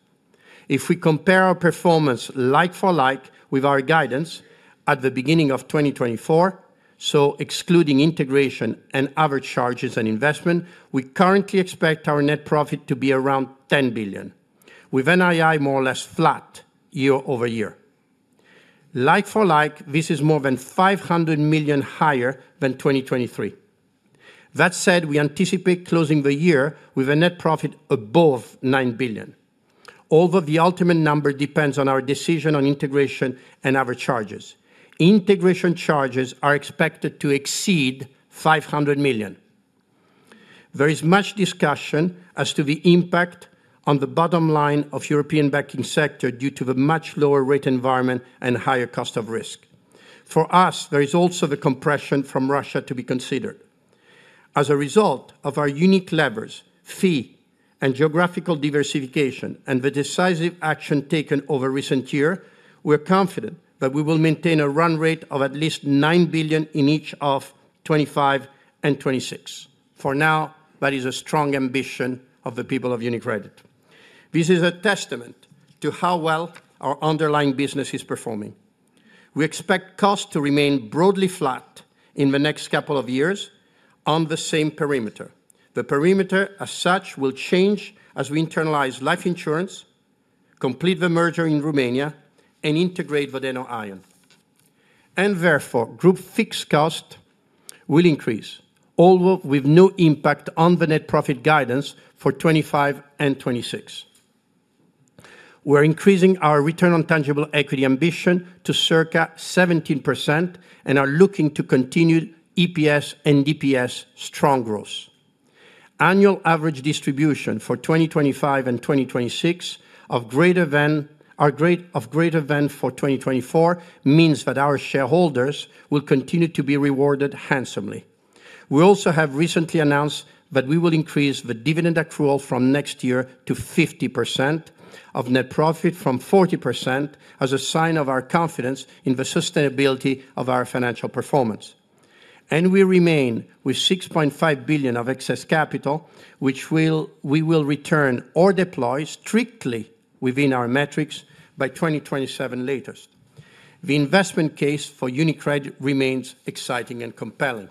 If we compare our performance like-for-like with our guidance at the beginning of 2024, so excluding integration and other charges and investment, we currently expect our net profit to be around 10 billion, with NII more or less flat year over year. Like-for-like, this is more than 500 million higher than 2023. That said, we anticipate closing the year with a net profit above nine billion, although the ultimate number depends on our decision on integration and other charges. Integration charges are expected to exceed 500 million. There is much discussion as to the impact on the bottom line of the European banking sector due to the much lower rate environment and higher cost of risk. For us, there is also the compression from Russia to be considered. As a result of our unique levers, fee, and geographical diversification, and the decisive action taken over recent years, we're confident that we will maintain a run rate of at least nine billion in each of 2025 and 2026. For now, that is a strong ambition of the people of UniCredit. This is a testament to how well our underlying business is performing. We expect costs to remain broadly flat in the next couple of years on the same perimeter. The perimeter, as such, will change as we internalize life insurance, complete the merger in Romania, and integrate with Aion. Therefore, group fixed costs will increase, although with no impact on the net profit guidance for 2025 and 2026. We're increasing our return on tangible equity ambition to circa 17% and are looking to continue EPS and DPS strong growth. Annual average distribution for 2025 and 2026 of greater than for 2024 means that our shareholders will continue to be rewarded handsomely. We also have recently announced that we will increase the dividend accrual from next year to 50% of net profit from 40% as a sign of our confidence in the sustainability of our financial performance. And we remain with 6.5 billion of excess capital, which we will return or deploy strictly within our metrics by 2027 latest. The investment case for UniCredit remains exciting and compelling.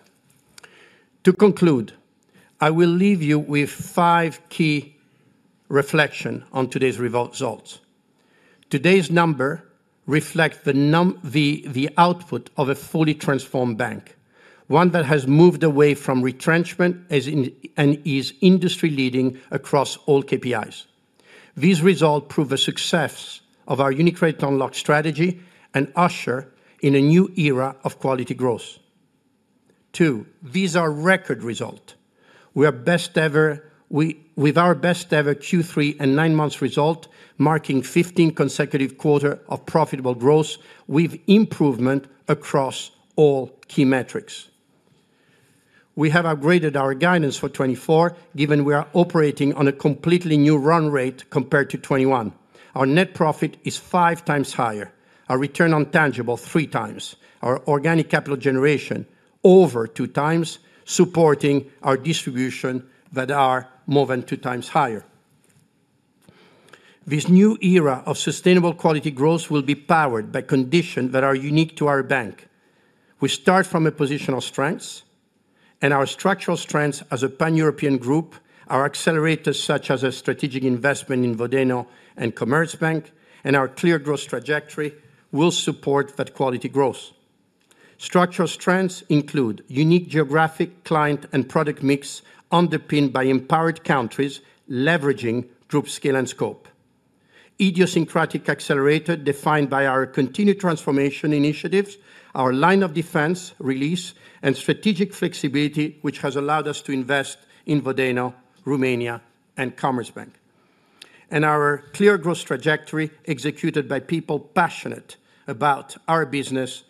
To conclude, I will leave you with five key reflections on today's results. Today's number reflects the output of a fully transformed bank, one that has moved away from retrenchment and is industry-leading across all KPIs. These results prove the success of our UniCredit Unlocked strategy and usher in a new era of quality growth. Two, these are record results. We are best ever with our best ever Q3 and nine months result, marking 15 consecutive quarters of profitable growth with improvement across all key metrics. We have upgraded our guidance for 2024, given we are operating on a completely new run rate compared to 2021. Our net profit is five times higher. Our return on tangible three times. Our organic capital generation over two times, supporting our distribution that are more than two times higher. This new era of sustainable quality growth will be powered by conditions that are unique to our bank. We start from a position of strengths, and our structural strengths as a pan-European group, our accelerators such as a strategic investment in Vodeno and Commerzbank, and our clear growth trajectory will support that quality growth. Structural strengths include unique geographic client and product mix underpinned by empowered countries leveraging group scale and scope. Idiosyncratic accelerator defined by our continued transformation initiatives, our line of defense release, and strategic flexibility, which has allowed us to invest in Vodeno, Romania, and Commerzbank. Our clear growth trajectory executed by people passionate about our business,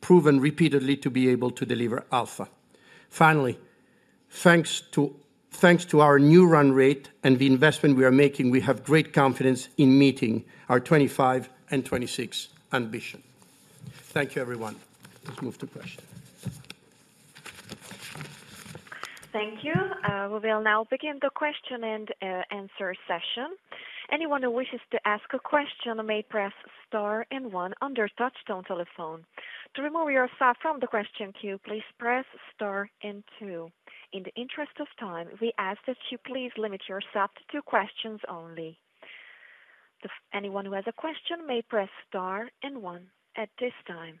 proven repeatedly to be able to deliver alpha. Finally, thanks to our new run rate and the investment we are making, we have great confidence in meeting our 2025 and 2026 ambition. Thank you, everyone. Let's move to questions. Thank you. We will now begin the question and answer session. Anyone who wishes to ask a question may press star and one on your touchtone telephone. To remove yourself from the question queue, please press star and two. In the interest of time, we ask that you please limit yourself to questions only. Anyone who has a question may press star and one at this time.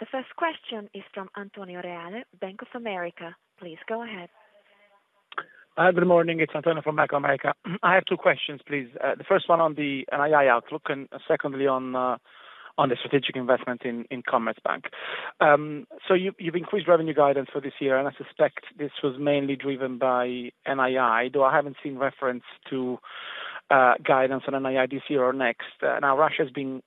The first question is from Antonio Reale, Bank of America. Please go ahead. Good morning. It's Antonio from Bank of America. I have two questions, please. The first one on the NII outlook and secondly on the strategic investment in Commerzbank. So you've increased revenue guidance for this year, and I suspect this was mainly driven by NII, though I haven't seen reference to guidance on NII this year or next. Now, Russia has been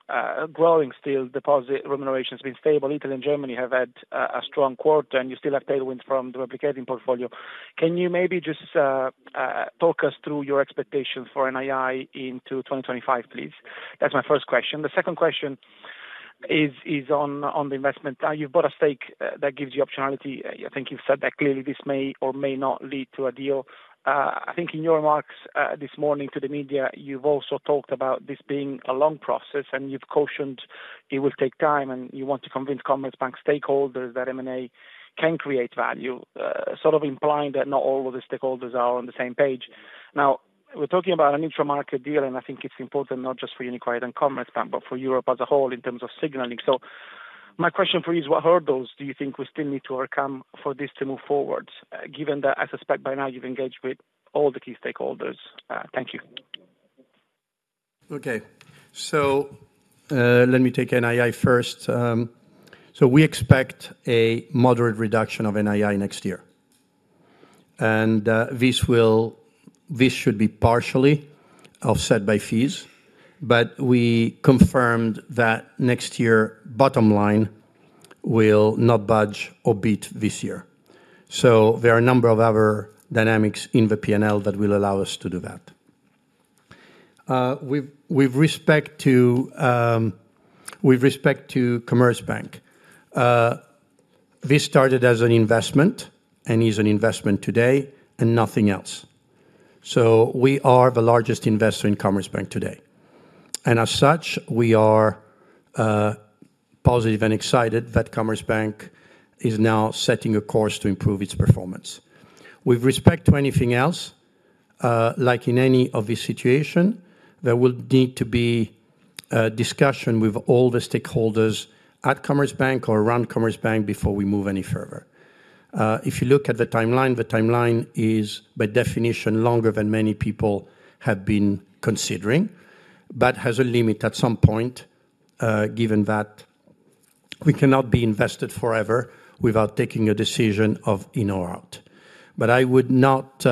growing still. Deposit remuneration has been stable. Italy and Germany have had a strong quarter, and you still have tailwinds from the replicating portfolio. Can you maybe just talk us through your expectations for NII into 2025, please? That's my first question. The second question is on the investment. You've bought a stake that gives you optionality. I think you've said that clearly this may or may not lead to a deal. I think in your remarks this morning to the media, you've also talked about this being a long process, and you've cautioned it will take time, and you want to convince Commerzbank stakeholders that M&A can create value, sort of implying that not all of the stakeholders are on the same page. Now, we're talking about an intra-market deal, and I think it's important not just for UniCredit and Commerzbank, but for Europe as a whole in terms of signaling. So my question for you is, what hurdles do you think we still need to overcome for this to move forward, given that I suspect by now you've engaged with all the key stakeholders? Thank you. Okay. So let me take NII first. So we expect a moderate reduction of NII next year. And this should be partially offset by fees, but we confirmed that next year bottom line will not budge or beat this year. So there are a number of other dynamics in the P&L that will allow us to do that. With respect to Commerzbank, this started as an investment and is an investment today and nothing else. So we are the largest investor in Commerzbank today. And as such, we are positive and excited that Commerzbank is now setting a course to improve its performance. With respect to anything else, like in any obvious situation, there will need to be a discussion with all the stakeholders at Commerzbank or around Commerzbank before we move any further. If you look at the timeline, the timeline is by definition longer than many people have been considering, but has a limit at some point, given that we cannot be invested forever without taking a decision of in or out. But I would not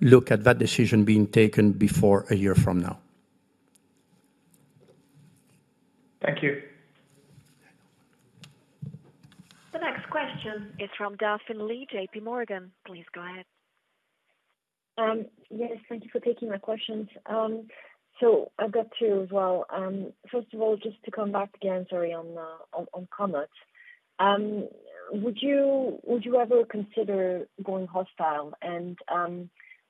look at that decision being taken before a year from now. Thank you. The next question is from Delphine Lee, JPMorgan. Please go ahead. Yes. Thank you for taking my questions. So I've got two as well. First of all, just to come back again, sorry, on Commerz. Would you ever consider going hostile? And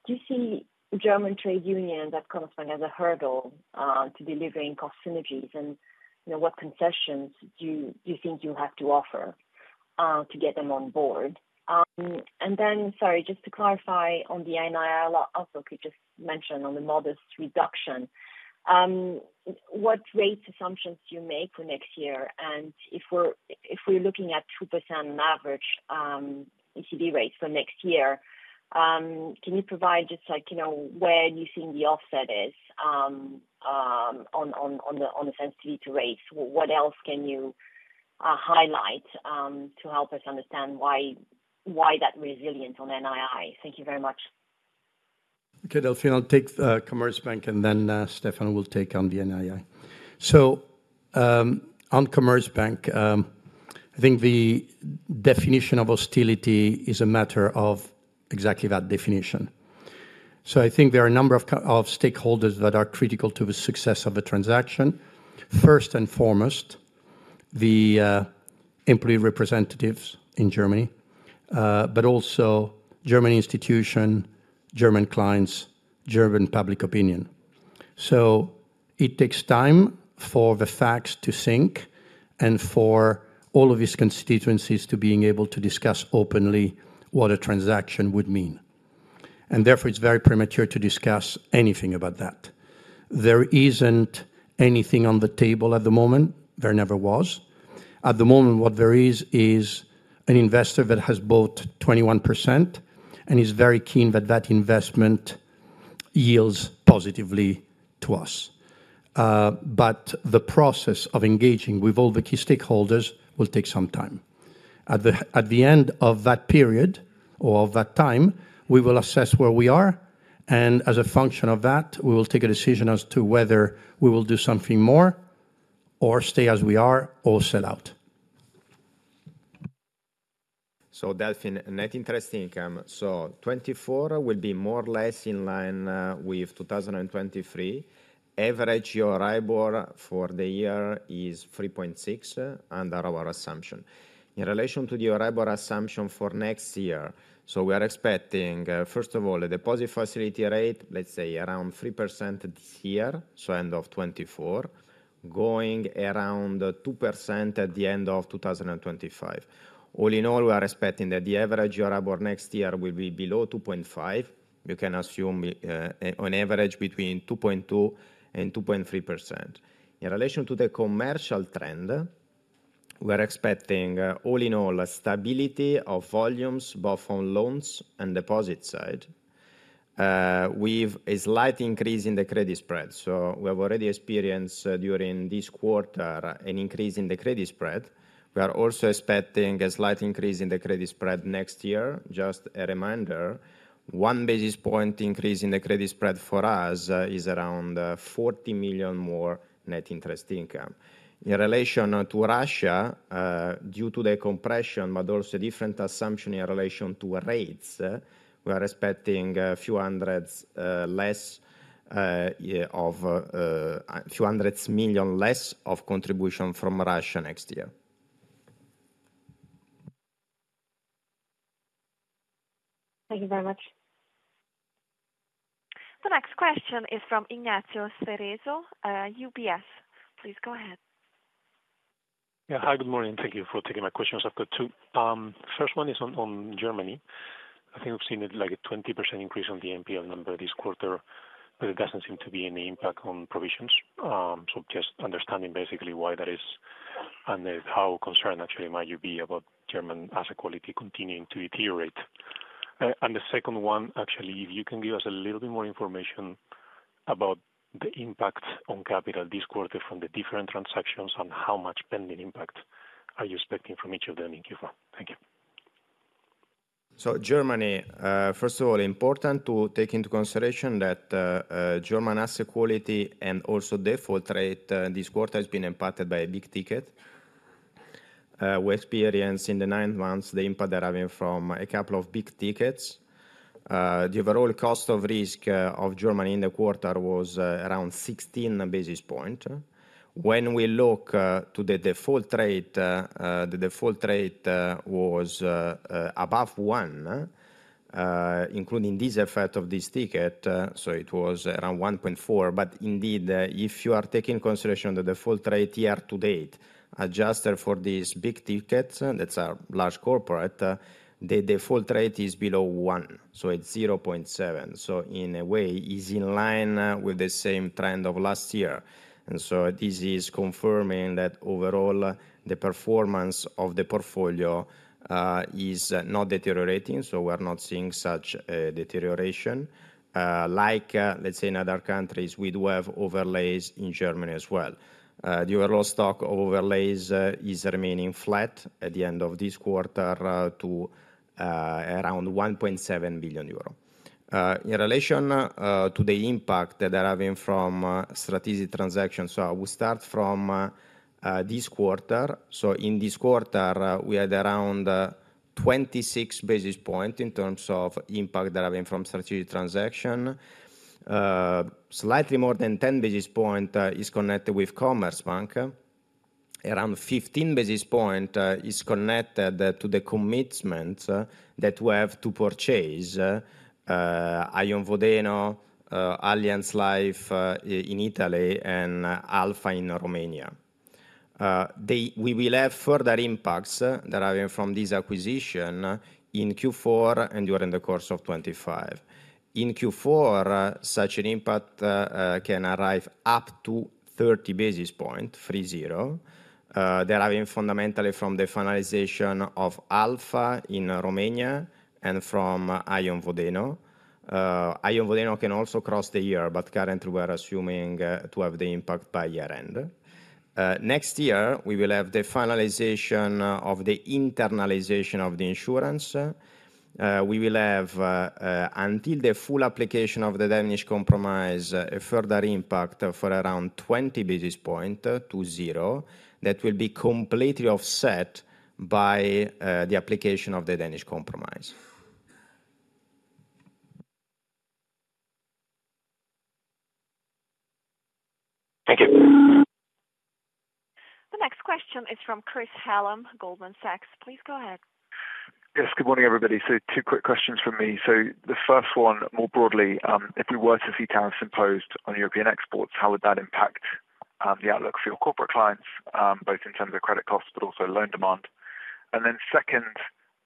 do you see the German trade union that Commerzbank has a hurdle to delivering cost synergies? And what concessions do you think you'll have to offer to get them on board? And then, sorry, just to clarify on the NII, I'll also just mention on the modest reduction. What rate assumptions do you make for next year? And if we're looking at 2% average ECB rates for next year, can you provide just where do you think the offset is on the sensitivity to rates? What else can you highlight to help us understand why that resilience on NII? Thank you very much. Okay, Delphine, I'll take Commerzbank, and then Stefano will take on the NII. So on Commerzbank, I think the definition of hostility is a matter of exactly that definition. So I think there are a number of stakeholders that are critical to the success of a transaction. First and foremost, the employee representatives in Germany, but also German institutions, German clients, German public opinion. So it takes time for the facts to sink and for all of these constituencies to be able to discuss openly what a transaction would mean. And therefore, it's very premature to discuss anything about that. There isn't anything on the table at the moment. There never was. At the moment, what there is, is an investor that has bought 21% and is very keen that that investment yields positively to us. But the process of engaging with all the key stakeholders will take some time. At the end of that period or of that time, we will assess where we are. And as a function of that, we will take a decision as to whether we will do something more or stay as we are or sell out. So, Delphine, net interest income. So 2024 will be more or less in line with 2023. Average year-on-year Euribor for the year is 3.6 under our assumption. In relation to the year-on-year IBOR assumption for next year, so we are expecting, first of all, a deposit facility rate, let's say around 3% this year, so end of 2024, going around 2% at the end of 2025. All in all, we are expecting that the average year-on-year IBOR next year will be below 2.5%. You can assume on average between 2.2% and 2.3%. In relation to the commercial trend, we are expecting all in all stability of volumes both on loans and deposit side with a slight increase in the credit spread. So we have already experienced during this quarter an increase in the credit spread. We are also expecting a slight increase in the credit spread next year. Just a reminder, one basis point increase in the credit spread for us is around 40 million more net interest income. In relation to Russia, due to the compression, but also a different assumption in relation to rates, we are expecting a few hundred million less of contribution from Russia next year. Thank you very much. The next question is from Ignacio Cerezo, UBS. Please go ahead. Yeah, hi, good morning. Thank you for taking my questions. I've got two. First one is on Germany. I think we've seen like a 20% increase on the NPL number this quarter, but it doesn't seem to be any impact on provisions. So just understanding basically why that is and how concerned actually might you be about German asset quality continuing to deteriorate. And the second one, actually, if you can give us a little bit more information about the impact on capital this quarter from the different transactions and how much pending impact are you expecting from each of them in Q4. Thank you. So Germany, first of all, important to take into consideration that German asset quality and also default rate this quarter has been impacted by a big ticket. We experienced in the nine months the impact that arrived from a couple of big tickets. The overall cost of risk of Germany in the quarter was around 16 basis points. When we look to the default rate, the default rate was above one, including this effect of this ticket. So it was around 1.4. But indeed, if you are taking consideration of the default rate year to date, adjusted for these big tickets that are large corporate, the default rate is below one. So it's 0.7. So in a way, it's in line with the same trend of last year. And so this is confirming that overall the performance of the portfolio is not deteriorating. So we're not seeing such a deterioration like, let's say, in other countries. We do have overlays in Germany as well. The overall stock overlays is remaining flat at the end of this quarter to around 1.7 billion euro. In relation to the impact that are having from strategic transactions, so we start from this quarter. So in this quarter, we had around 26 basis points in terms of impact that are having from strategic transaction. Slightly more than 10 basis points is connected with Commerzbank. Around 15 basis points is connected to the commitments that we have to purchase Aion Vodeno, Allianz Life in Italy, and Alpha in Romania. We will have further impacts that are having from this acquisition in Q4 and during the course of 2025. In Q4, such an impact can arrive up to 30 basis points, three-zero, that are having fundamentally from the finalization of Alpha in Romania and from Aion Vodeno. Aion Vodeno can also cross the year, but currently we are assuming to have the impact by year-end. Next year, we will have the finalization of the internalization of the insurance. We will have, until the full application of the Danish Compromise, a further impact for around 20 basis points, two-zero, that will be completely offset by the application of the Danish Compromise. Thank you. The next question is from Chris Hallam, Goldman Sachs. Please go ahead. Yes, good morning, everybody. So two quick questions from me. So the first one, more broadly, if we were to see tariffs imposed on European exports, how would that impact the outlook for your corporate clients, both in terms of credit costs, but also loan demand? And then second,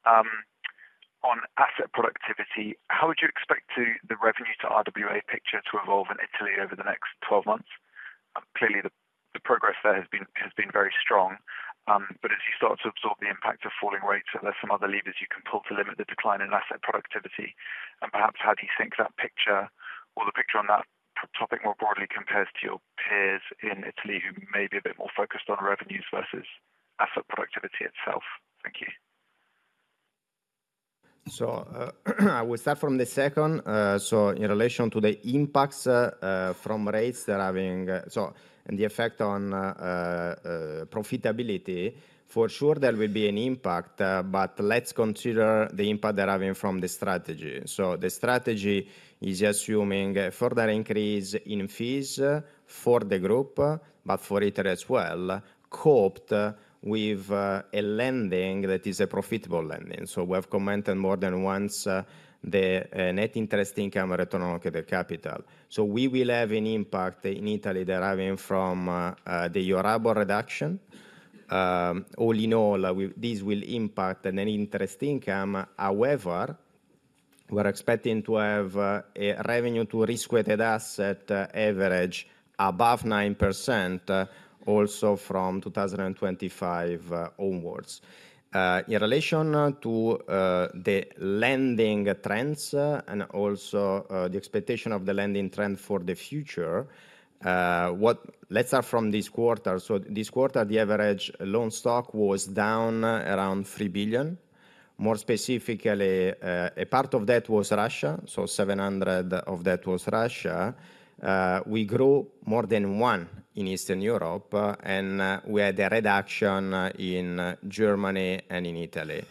on asset productivity, how would you expect the revenue to RWA picture to evolve in Italy over the next 12 months? Clearly, the progress there has been very strong. But as you start to absorb the impact of falling rates, are there some other levers you can pull to limit the decline in asset productivity? And perhaps how do you think that picture or the picture on that topic more broadly compares to your peers in Italy who may be a bit more focused on revenues versus asset productivity itself? Thank you. So I will start from the second. In relation to the impacts from rates that are having and the effect on profitability, for sure there will be an impact, but let's consider the impact that are having from the strategy. The strategy is assuming a further increase in fees for the group, but for Italy as well, coupled with a lending that is a profitable lending. We have commented more than once the net interest income return on allocated capital. We will have an impact in Italy that are having from the Euribor reduction. All in all, this will impact the net interest income. However, we're expecting to have a revenue to risk-weighted assets average above 9% also from 2025 onwards. In relation to the lending trends and also the expectation of the lending trend for the future, let's start from this quarter. This quarter, the average loan stock was down around 3 billion. More specifically, a part of that was Russia. 700 of that was Russia. We grew more than one in Eastern Europe, and we had a reduction in Germany and in Italy.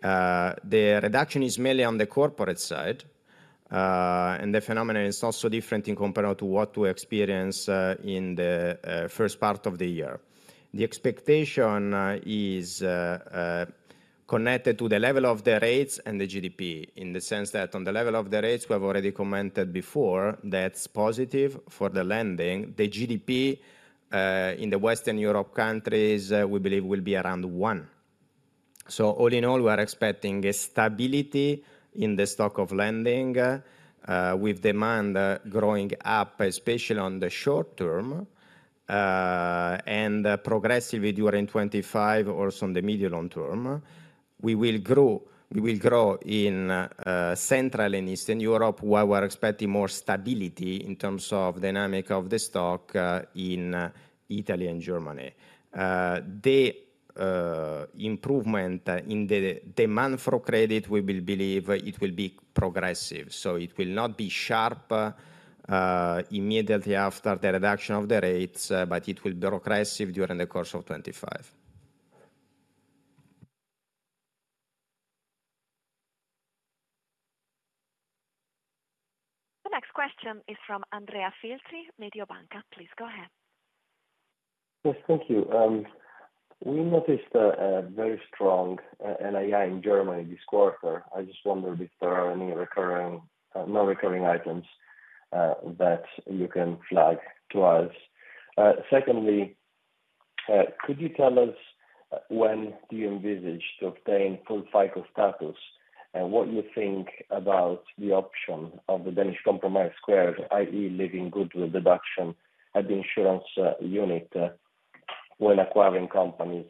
The reduction is mainly on the corporate side, and the phenomenon is also different in comparison to what we experienced in the first part of the year. The expectation is connected to the level of the rates and the GDP in the sense that on the level of the rates, we have already commented before that's positive for the lending. The GDP in the Western Europe countries, we believe, will be around one. All in all, we are expecting stability in the stock of lending with demand growing up, especially on the short term and progressively during 2025, also in the medium long term. We will grow in Central and Eastern Europe, where we're expecting more stability in terms of dynamic of the stock in Italy and Germany. The improvement in the demand for credit, we believe, it will be progressive. So it will not be sharp immediately after the reduction of the rates, but it will be progressive during the course of 2025. The next question is from Andrea Filtri, Mediobanca. Please go ahead. Yes, thank you. We noticed a very strong NII in Germany this quarter. I just wondered if there are any recurring, non-recurring items that you can flag to us. Secondly, could you tell us when do you envisage to obtain full FiCo status and what you think about the option of the Danish compromise squared, i.e., living goods with deduction at the insurance unit when acquiring companies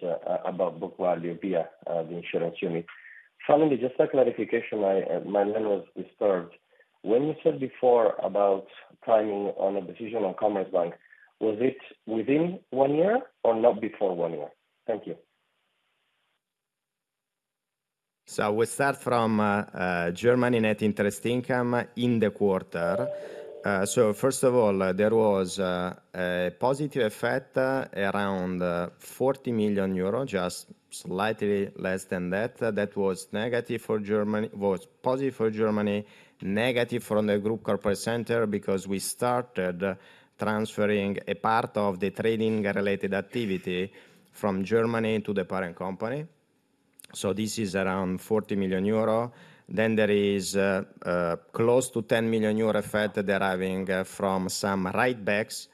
above book value via the insurance unit? Finally, just a clarification. My memory was disturbed. When you said before about timing on a decision on Commerzbank, was it within one year or not before one year? Thank you. So we start from Germany net interest income in the quarter. So first of all, there was a positive effect around 40 million euro, just slightly less than that. That was negative for Germany, was positive for Germany, negative from the group corporate center because we started transferring a part of the trading-related activity from Germany to the parent company. So this is around 40 million euro. Then there is close to 10 million euro effect that are having from some write-backs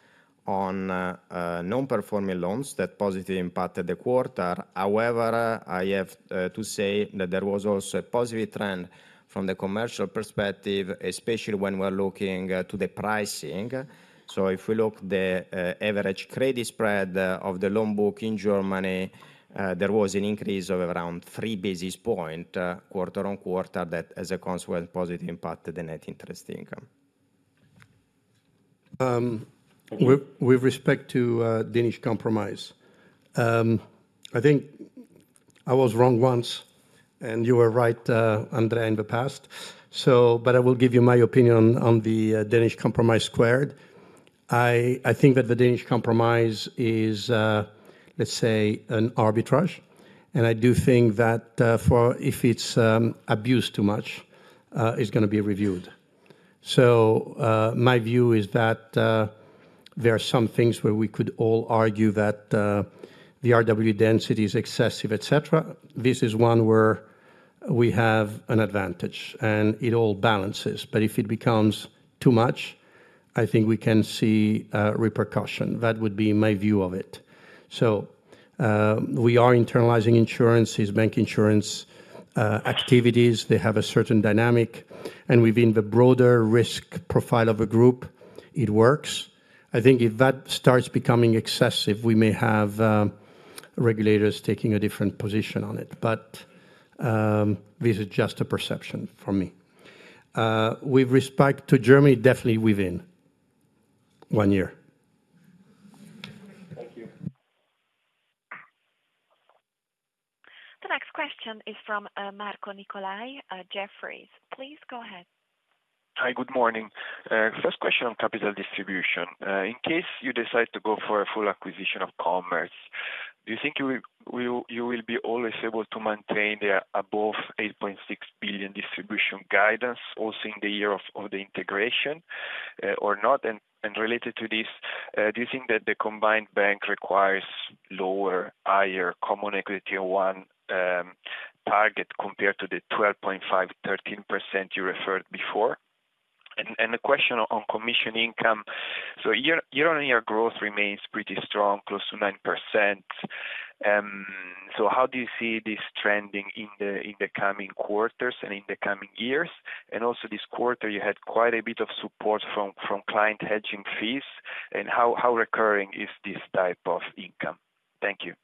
on non-performing loans that positively impacted the quarter. However, I have to say that there was also a positive trend from the commercial perspective, especially when we're looking to the pricing. So if we look at the average credit spread of the loan book in Germany, there was an increase of around three basis points quarter on quarter that, as a consequence, positively impacted the net interest income. With respect to Danish Compromise, I think I was wrong once, and you were right, Andrea, in the past. But I will give you my opinion on the Danish Compromise squared. I think that the Danish Compromise is, let's say, an arbitrage. And I do think that if it's abused too much, it's going to be reviewed. So my view is that there are some things where we could all argue that the RWA density is excessive, etc. This is one where we have an advantage, and it all balances. But if it becomes too much, I think we can see repercussion. That would be my view of it. So we are internalizing insurances, bank insurance activities. They have a certain dynamic. And within the broader risk profile of a group, it works. I think if that starts becoming excessive, we may have regulators taking a different position on it. But this is just a perception for me. With respect to Germany, definitely within one year. Thank you. The next question is from Marco Nicolai at Jefferies. Please go ahead. Hi, good morning. First question on capital distribution. In case you decide to go for a full acquisition of Commerzbank, do you think you will be always able to maintain the above 8.6 billion distribution guidance also in the year of the integration or not? And related to this, do you think that the combined bank requires lower, higher Common Equity Tier 1 target compared to the 12.5% to 13% you referred before? And the question on commission income, so year-over-year growth remains pretty strong, close to 9%. So how do you see this trending in the coming quarters and in the coming years? And also this quarter, you had quite a bit of support from client hedging fees. And how recurring is this type of income? Thank you.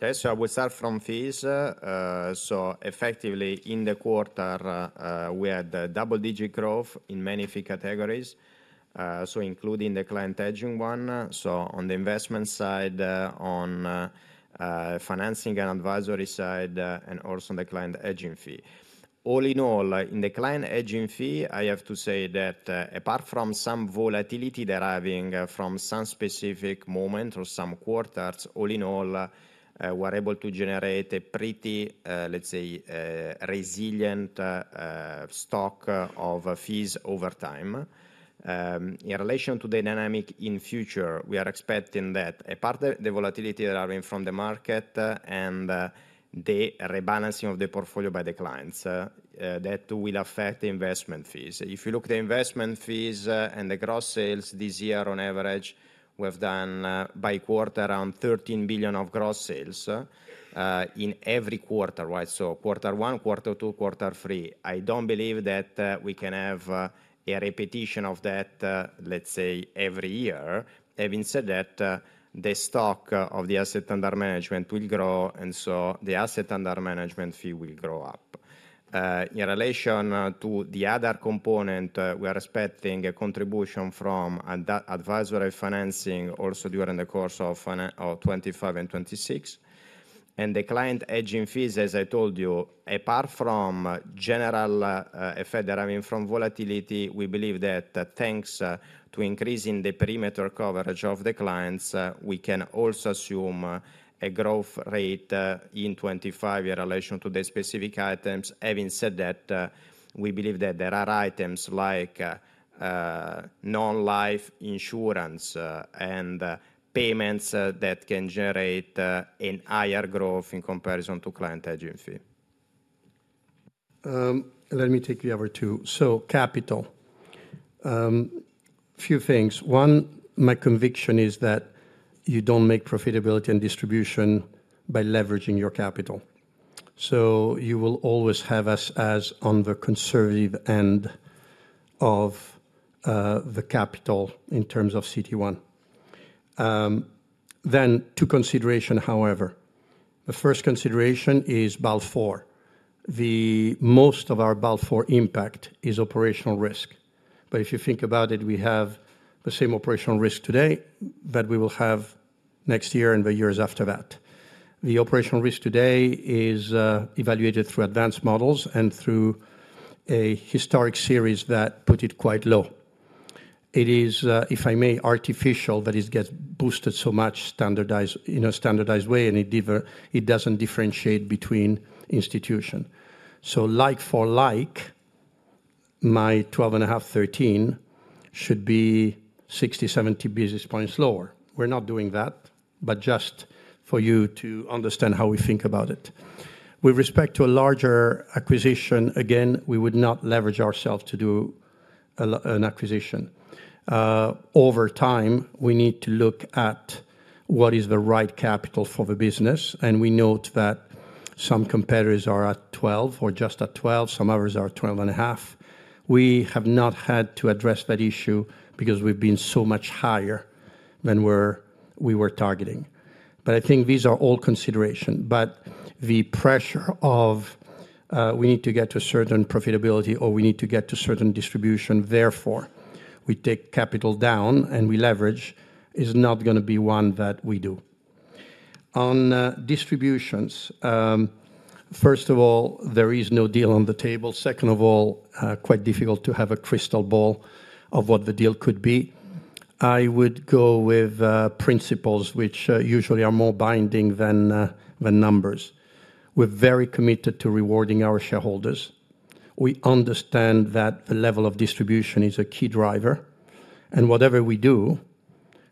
Okay, so I will start from fees. So effectively, in the quarter, we had double-digit growth in many fee categories, so including the client hedging one. So on the investment side, on financing and advisory side, and also on the client hedging fee. All in all, in the client hedging fee, I have to say that apart from some volatility that are having from some specific moment or some quarters, all in all, we're able to generate a pretty, let's say, resilient stock of fees over time. In relation to the dynamic in future, we are expecting that a part of the volatility that are having from the market and the rebalancing of the portfolio by the clients that will affect investment fees. If you look at the investment fees and the gross sales this year, on average, we've done by quarter around 13 billion of gross sales in every quarter, right? So quarter one, quarter two, quarter three. I don't believe that we can have a repetition of that, let's say, every year. Having said that, the stock of the asset under management will grow, and so the asset under management fee will grow up. In relation to the other component, we are expecting a contribution from advisory financing also during the course of 2025 and 2026. The client hedging fees, as I told you, apart from general effect that are having from volatility, we believe that thanks to increasing the perimeter coverage of the clients, we can also assume a growth rate in 2025 in relation to the specific items. Having said that, we believe that there are items like non-life insurance and payments that can generate a higher growth in comparison to client hedging fee. Let me take you over to capital. A few things. One, my conviction is that you don't make profitability and distribution by leveraging your capital. So you will always have us as on the conservative end of the capital in terms of CT1. Then two considerations, however. The first consideration is Basel IV. Most of our Basel IV impact is operational risk. If you think about it, we have the same operational risk today that we will have next year and the years after that. The operational risk today is evaluated through advanced models and through a historic series that put it quite low. It is, if I may, artificial that it gets boosted so much in a standardized way, and it doesn't differentiate between institutions. So like for like, my 12.5, 13 should be 60 to 70 basis points lower. We're not doing that, but just for you to understand how we think about it. With respect to a larger acquisition, again, we would not leverage ourselves to do an acquisition. Over time, we need to look at what is the right capital for the business. We note that some competitors are at 12 or just at 12. Some others are 12.5. We have not had to address that issue because we've been so much higher than we were targeting. But I think these are all considerations. But the pressure of we need to get to a certain profitability or we need to get to certain distribution. Therefore, we take capital down and we leverage is not going to be one that we do. On distributions, first of all, there is no deal on the table. Second of all, quite difficult to have a crystal ball of what the deal could be. I would go with principles, which usually are more binding than numbers. We're very committed to rewarding our shareholders. We understand that the level of distribution is a key driver. And whatever we do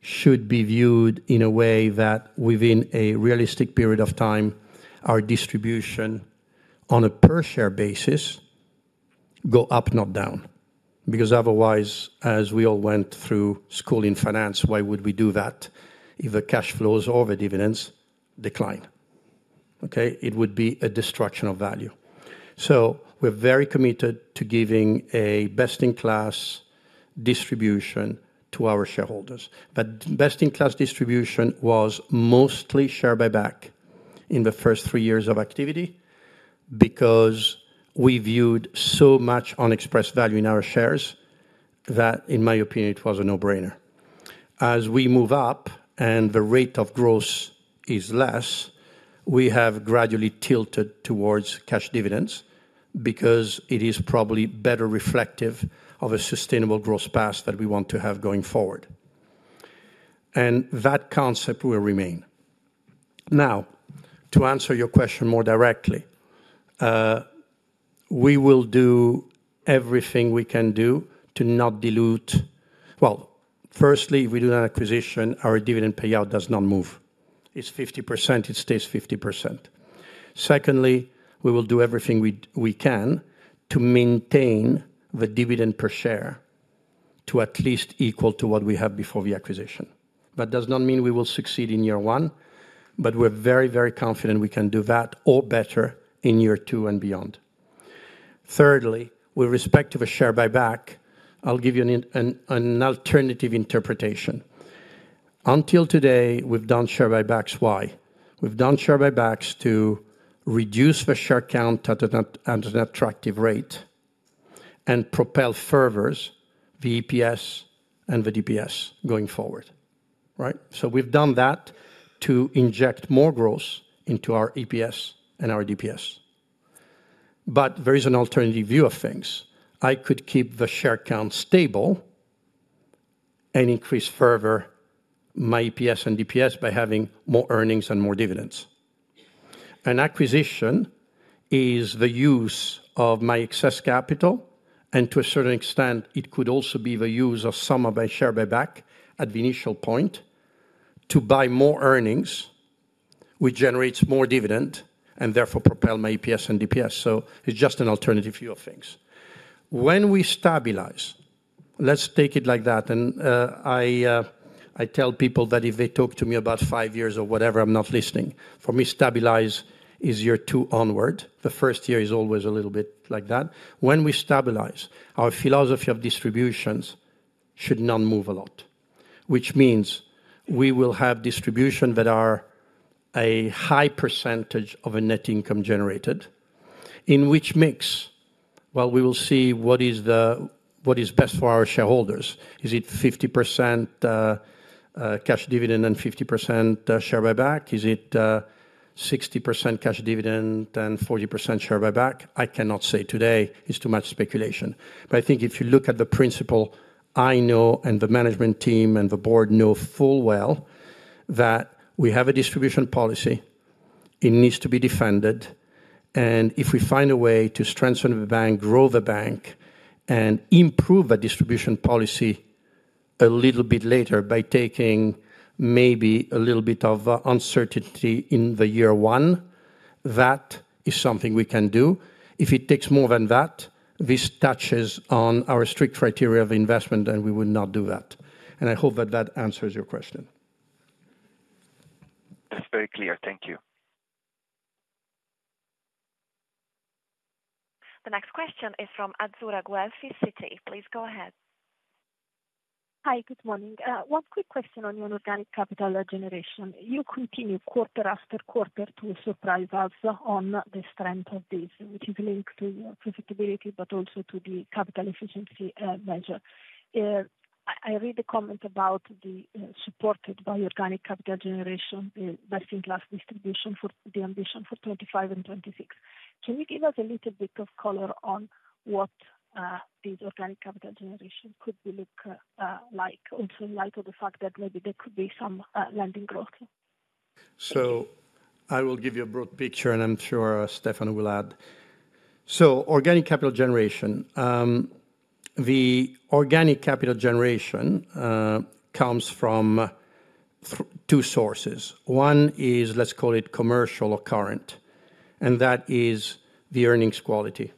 should be viewed in a way that within a realistic period of time, our distribution on a per-share basis go up, not down. Because otherwise, as we all went through school in finance, why would we do that if the cash flows over dividends decline? Okay? It would be a destruction of value. So we're very committed to giving a best-in-class distribution to our shareholders. But best-in-class distribution was mostly share buyback in the first three years of activity because we viewed so much unexpressed value in our shares that, in my opinion, it was a no-brainer. As we move up and the rate of growth is less, we have gradually tilted towards cash dividends because it is probably better reflective of a sustainable growth path that we want to have going forward. And that concept will remain. Now, to answer your question more directly, we will do everything we can do to not dilute. Well, firstly, if we do an acquisition, our dividend payout does not move. It's 50%. It stays 50%. Secondly, we will do everything we can to maintain the dividend per share to at least equal to what we have before the acquisition. That does not mean we will succeed in year one, but we're very, very confident we can do that or better in year two and beyond. Thirdly, with respect to the share buyback, I'll give you an alternative interpretation. Until today, we've done share buybacks. Why? We've done share buybacks to reduce the share count at an attractive rate and propel further the EPS and the DPS going forward, right? So we've done that to inject more growth into our EPS and our DPS. But there is an alternative view of things. I could keep the share count stable and increase further my EPS and DPS by having more earnings and more dividends. An acquisition is the use of my excess capital, and to a certain extent, it could also be the use of some of my share buyback at the initial point to buy more earnings, which generates more dividend and therefore propel my EPS and DPS. So it's just an alternative view of things. When we stabilize, let's take it like that. And I tell people that if they talk to me about five years or whatever, I'm not listening. For me, stabilize is year two onward. The first year is always a little bit like that. When we stabilize, our philosophy of distributions should not move a lot, which means we will have distributions that are a high percentage of a net income generated, in which mix, well, we will see what is best for our shareholders. Is it 50% cash dividend and 50% share buyback? Is it 60% cash dividend and 40% share buyback? I cannot say today. It's too much speculation. But I think if you look at the principle, I know and the management team and the board know full well that we have a distribution policy. It needs to be defended. And if we find a way to strengthen the bank, grow the bank, and improve the distribution policy a little bit later by taking maybe a little bit of uncertainty in the year one, that is something we can do. If it takes more than that, this touches on our strict criteria of investment, and we would not do that. And I hope that that answers your question. That's very clear. Thank you. The next question is from Azzurra Guelfi, Citi. Please go ahead. Hi, good morning. One quick question on your organic capital generation. You continue quarter after quarter to surprise us on the strength of this, which is linked to profitability, but also to the capital efficiency measure. I read the comment about the support by organic capital generation, the best-in-class distribution for the ambition for 2025 and 2026. Can you give us a little bit of color on what these organic capital generation could look like? Also, in light of the fact that maybe there could be some lending growth. So I will give you a broad picture, and I'm sure Stefano will add. So organic capital generation, the organic capital generation comes from two sources. One is, let's call it commercial or current, and that is the earnings quality.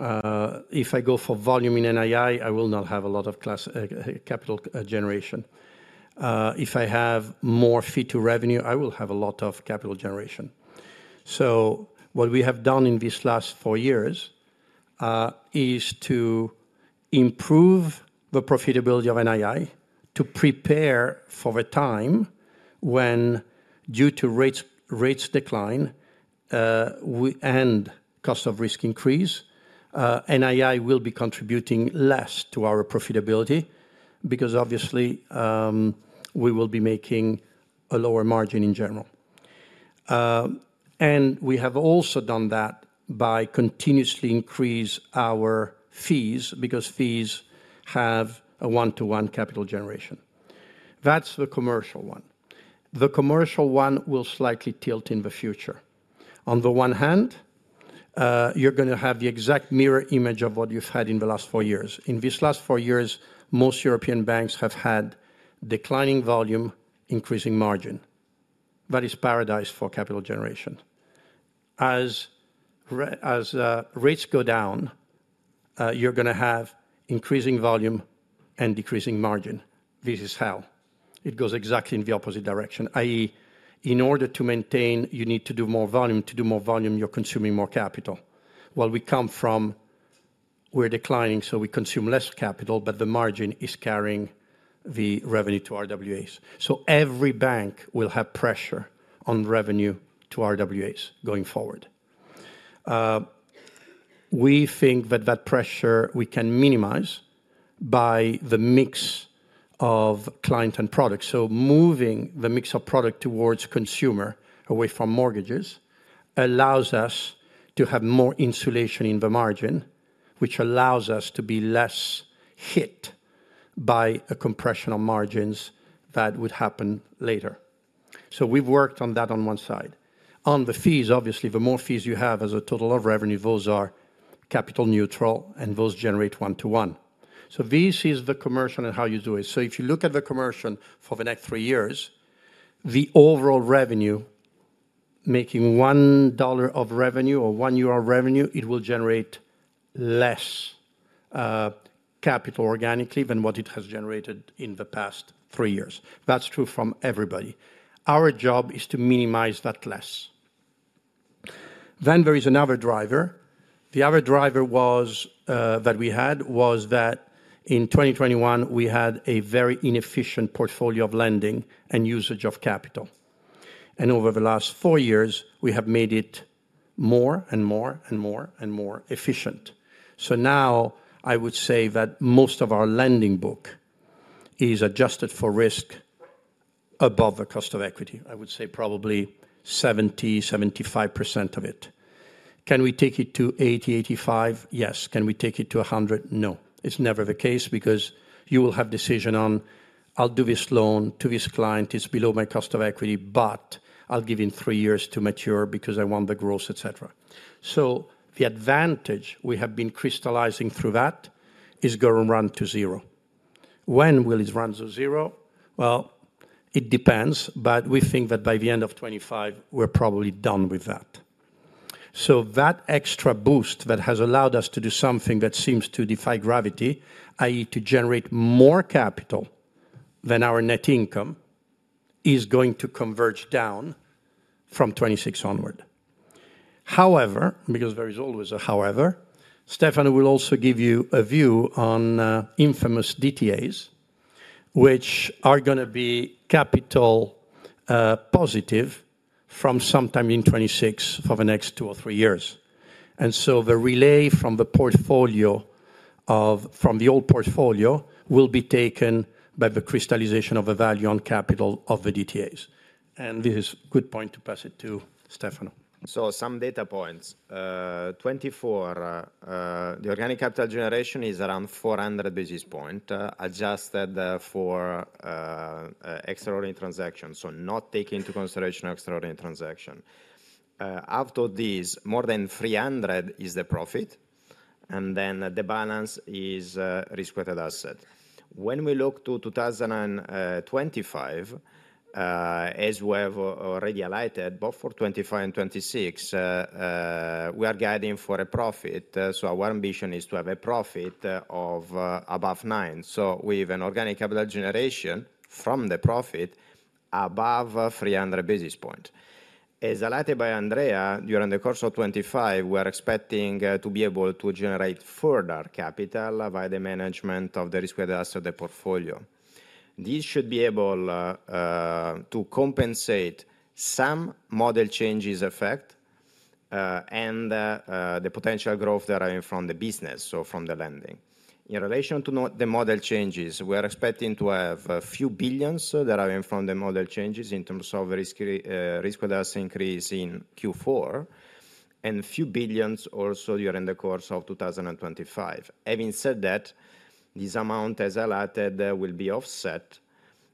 If I go for volume in NII, I will not have a lot of capital generation. If I have more fee to revenue, I will have a lot of capital generation. So what we have done in these last four years is to improve the profitability of NII to prepare for the time when, due to rates declining and cost of risk increase, NII will be contributing less to our profitability because, obviously, we will be making a lower margin in general. And we have also done that by continuously increasing our fees because fees have a one-to-one capital generation. That's the commercial one. The commercial one will slightly tilt in the future. On the one hand, you're going to have the exact mirror image of what you've had in the last four years. In these last four years, most European banks have had declining volume, increasing margin. That is paradise for capital generation. As rates go down, you're going to have increasing volume and decreasing margin. This is how. It goes exactly in the opposite direction, i.e., in order to maintain, you need to do more volume. To do more volume, you're consuming more capital. Well, we come from where we're declining, so we consume less capital, but the margin is carrying the revenue to RWAs. So every bank will have pressure on revenue to RWAs going forward. We think that that pressure we can minimize by the mix of client and product. So moving the mix of product towards consumer away from mortgages allows us to have more insulation in the margin, which allows us to be less hit by a compression of margins that would happen later. So we've worked on that on one side. On the fees, obviously, the more fees you have as a total of revenue, those are capital neutral, and those generate one-to-one. So this is the commercial and how you do it. If you look at the commercial for the next three years, the overall revenue, making $1 of revenue or 1 euro of revenue, it will generate less capital organically than what it has generated in the past three years. That's true from everybody. Our job is to minimize that less. Then there is another driver. The other driver that we had was that in 2021, we had a very inefficient portfolio of lending and usage of capital. And over the last four years, we have made it more and more and more and more efficient. Now I would say that most of our lending book is adjusted for risk above the cost of equity. I would say probably 70% to 75% of it. Can we take it to 80% to 85%? Yes. Can we take it to 100%? No. It's never the case because you will have decision on I'll do this loan to this client. It's below my cost of equity, but I'll give him three years to mature because I want the growth, etc. So the advantage we have been crystallizing through that is going to run to zero. When will it run to zero? Well, it depends, but we think that by the end of 2025, we're probably done with that. So that extra boost that has allowed us to do something that seems to defy gravity, i.e., to generate more capital than our net income, is going to converge down from 2026 onward. However, because there is always a however, Stefano will also give you a view on infamous DTAs, which are going to be capital positive from sometime in 2026 for the next two or three years. The relay from the portfolio of from the old portfolio will be taken by the crystallization of the value on capital of the DTAs, and this is a good point to pass it to Stefano. Some data points. 2024, the organic capital generation is around 400 basis points adjusted for extraordinary transactions, so not taking into consideration extraordinary transactions. After this, more than 300 is the profit, and then the balance is risk-weighted asset. When we look to 2025, as we have already highlighted, both for 2025 and 2026, we are guiding for a profit. Our ambition is to have a profit of above nine. We have an organic capital generation from the profit above 300 basis points. As highlighted by Andrea, during the course of 2025, we are expecting to be able to generate further capital by the management of the risk-weighted asset portfolio. This should be able to compensate some model changes effect and the potential growth that are in from the business, so from the lending. In relation to the model changes, we are expecting to have a few billions that are in from the model changes in terms of risk-weighted asset increase in Q4 and a few billions also during the course of 2025. Having said that, this amount, as I alluded, will be offset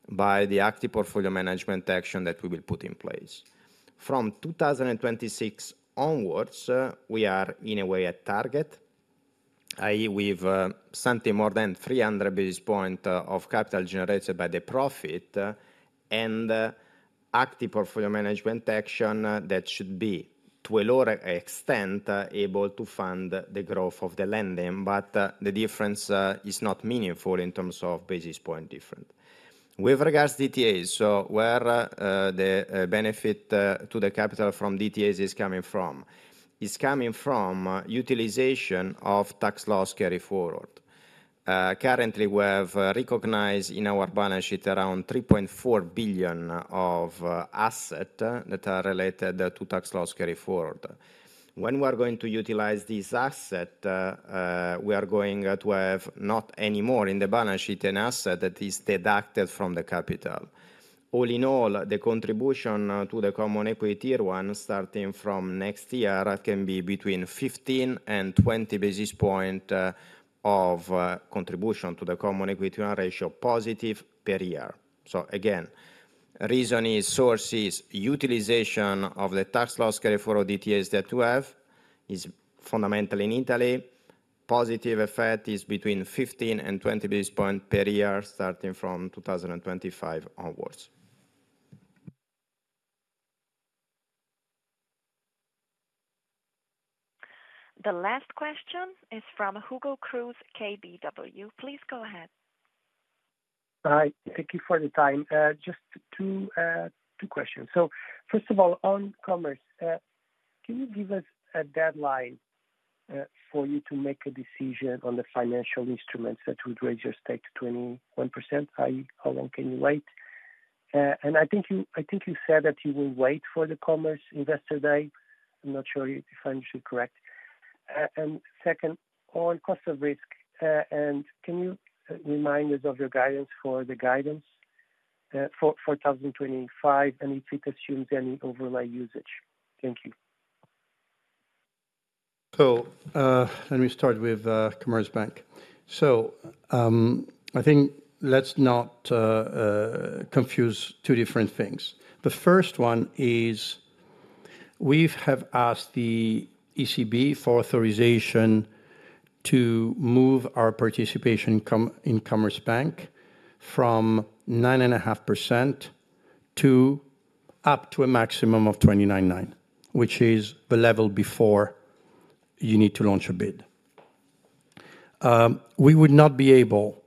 by the active portfolio management action that we will put in place. From 2026 onwards, we are in a way at target, i.e., we've something more than 300 basis points of capital generated by the profit and active portfolio management action that should be, to a lower extent, able to fund the growth of the lending, but the difference is not meaningful in terms of basis point difference. With regard to DTAs, so where the benefit to the capital from DTAs is coming from, it's coming from utilization of tax loss carry forward. Currently, we have recognized in our balance sheet around 3.4 billion of assets that are related to tax loss carry forward. When we are going to utilize these assets, we are going to have not anymore in the balance sheet an asset that is deducted from the capital. All in all, the contribution to the Common Equity Tier 1, starting from next year, can be between 15 and 20 basis points of contribution to the Common Equity Tier 1 ratio positive per year. The reason is the source is utilization of the tax loss carry forward DTAs that we have, which is fundamental in Italy. The positive effect is between 15 and 20 basis points per year, starting from 2025 onwards. The last question is from Hugo Cruz, KBW. Please go ahead. Hi, thank you for the time. Just two questions. So first of all, on Commerzbank, can you give us a deadline for you to make a decision on the financial instruments that would raise your stake to 21%? How long can you wait? And I think you said that you will wait for the Commerzbank investor day. I'm not sure if I understood correct. And second, on cost of risk, can you remind us of your guidance for 2025 and if it assumes any overlay usage? Thank you. Cool. Let me start with Commerzbank. So I think let's not confuse two different things. The first one is we have asked the ECB for authorization to move our participation in Commerzbank from 9.5% up to a maximum of 29.9%, which is the level before you need to launch a bid. We would not be able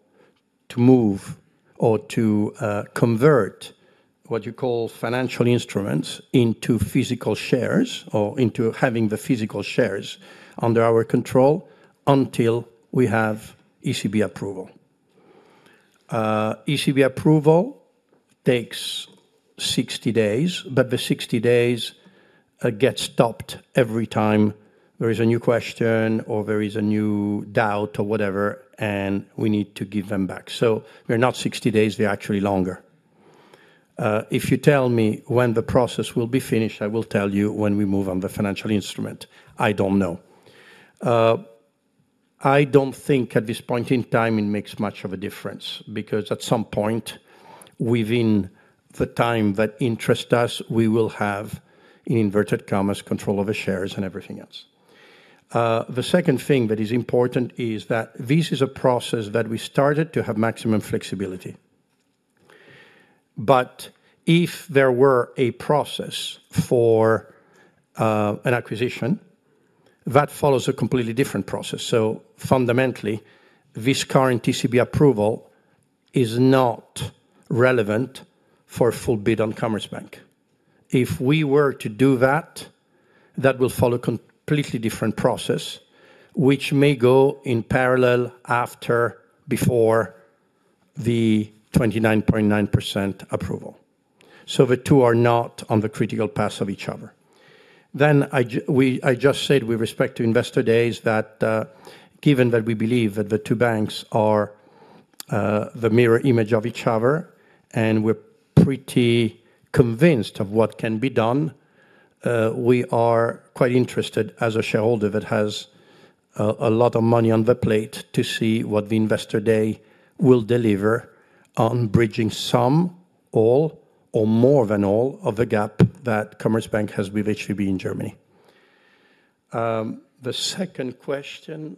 to move or to convert what you call financial instruments into physical shares or into having the physical shares under our control until we have ECB approval. ECB approval takes 60 days, but the 60 days get stopped every time there is a new question or there is a new doubt or whatever, and we need to give them back. So they're not 60 days. They're actually longer. If you tell me when the process will be finished, I will tell you when we move on the financial instrument. I don't know. I don't think at this point in time it makes much of a difference because at some point within the time that interests us, we will have in inverted commas control of the shares and everything else. The second thing that is important is that this is a process that we started to have maximum flexibility. But if there were a process for an acquisition, that follows a completely different process. So fundamentally, this current ECB approval is not relevant for a full bid on Commerzbank. If we were to do that, that will follow a completely different process, which may go in parallel after before the 29.9% approval. So the two are not on the critical path of each other. I just said with respect to investor days that given that we believe that the two banks are the mirror image of each other and we're pretty convinced of what can be done, we are quite interested as a shareholder that has a lot of money on the plate to see what the investor day will deliver on bridging some, all, or more than all of the gap that Commerzbank has with HBB in Germany. The second question,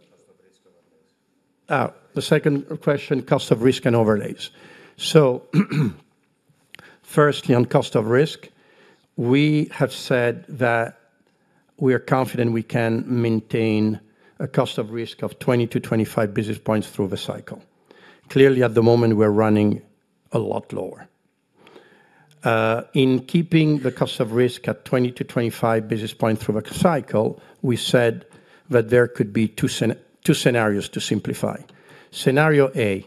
cost of risk and overlays. Firstly, on cost of risk, we have said that we are confident we can maintain a cost of risk of 20 to 25 basis points through the cycle. Clearly, at the moment, we're running a lot lower. In keeping the cost of risk at 20 to 25 basis points through the cycle, we said that there could be two scenarios to simplify. Scenario A,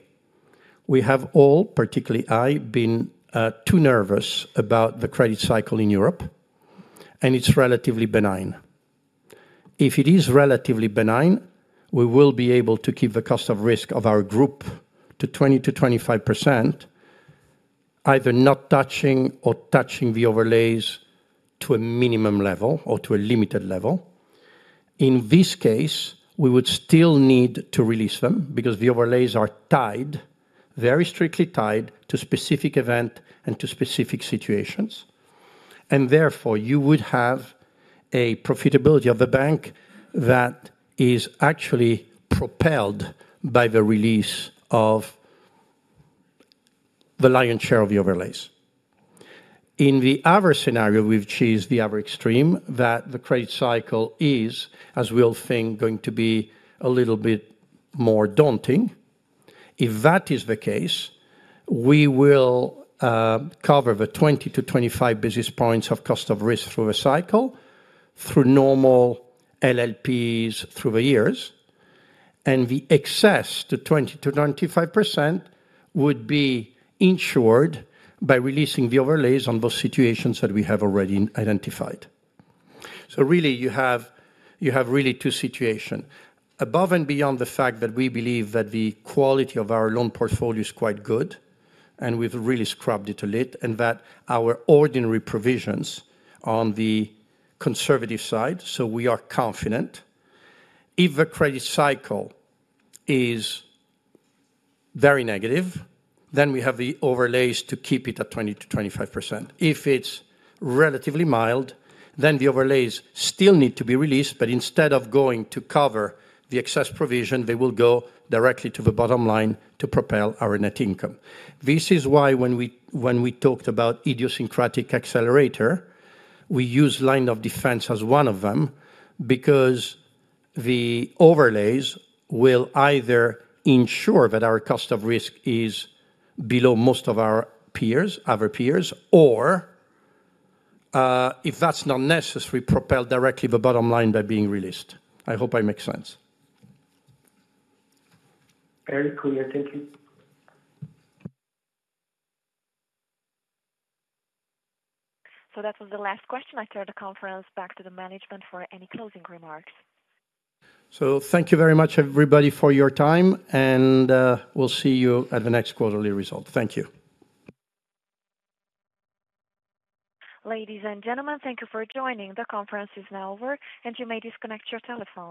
we have all, particularly I, been too nervous about the credit cycle in Europe, and it's relatively benign. If it is relatively benign, we will be able to keep the cost of risk of our group to 20% to 25%, either not touching or touching the overlays to a minimum level or to a limited level. In this case, we would still need to release them because the overlays are tied, very strictly tied to specific events and to specific situations, and therefore, you would have a profitability of the bank that is actually propelled by the release of the lion's share of the overlays. In the other scenario, we've chased the other extreme that the credit cycle is, as we all think, going to be a little bit more daunting. If that is the case, we will cover the 20 to 25 basis points of cost of risk through a cycle through normal LLPs through the years, and the excess to 20 to 25% would be insured by releasing the overlays on those situations that we have already identified. Really, you have really two situations above and beyond the fact that we believe that the quality of our loan portfolio is quite good and we've really scrubbed it a lot, and that our ordinary provisions on the conservative side, so we are confident. If the credit cycle is very negative, then we have the overlays to keep it at 20 to 25%. If it's relatively mild, then the overlays still need to be released, but instead of going to cover the excess provision, they will go directly to the bottom line to propel our net income. This is why when we talked about idiosyncratic accelerator, we use line of defense as one of them because the overlays will either ensure that our cost of risk is below most of our peers, other peers, or if that's not necessary, propel directly the bottom line by being released. I hope I make sense. Very clear. Thank you. So that was the last question. I turn the conference back to the management for any closing remarks. So thank you very much, everybody, for your time, and we'll see you at the next quarterly result. Thank you. Ladies and gentlemen, thank you for joining. The conference is now over, and you may disconnect your telephone.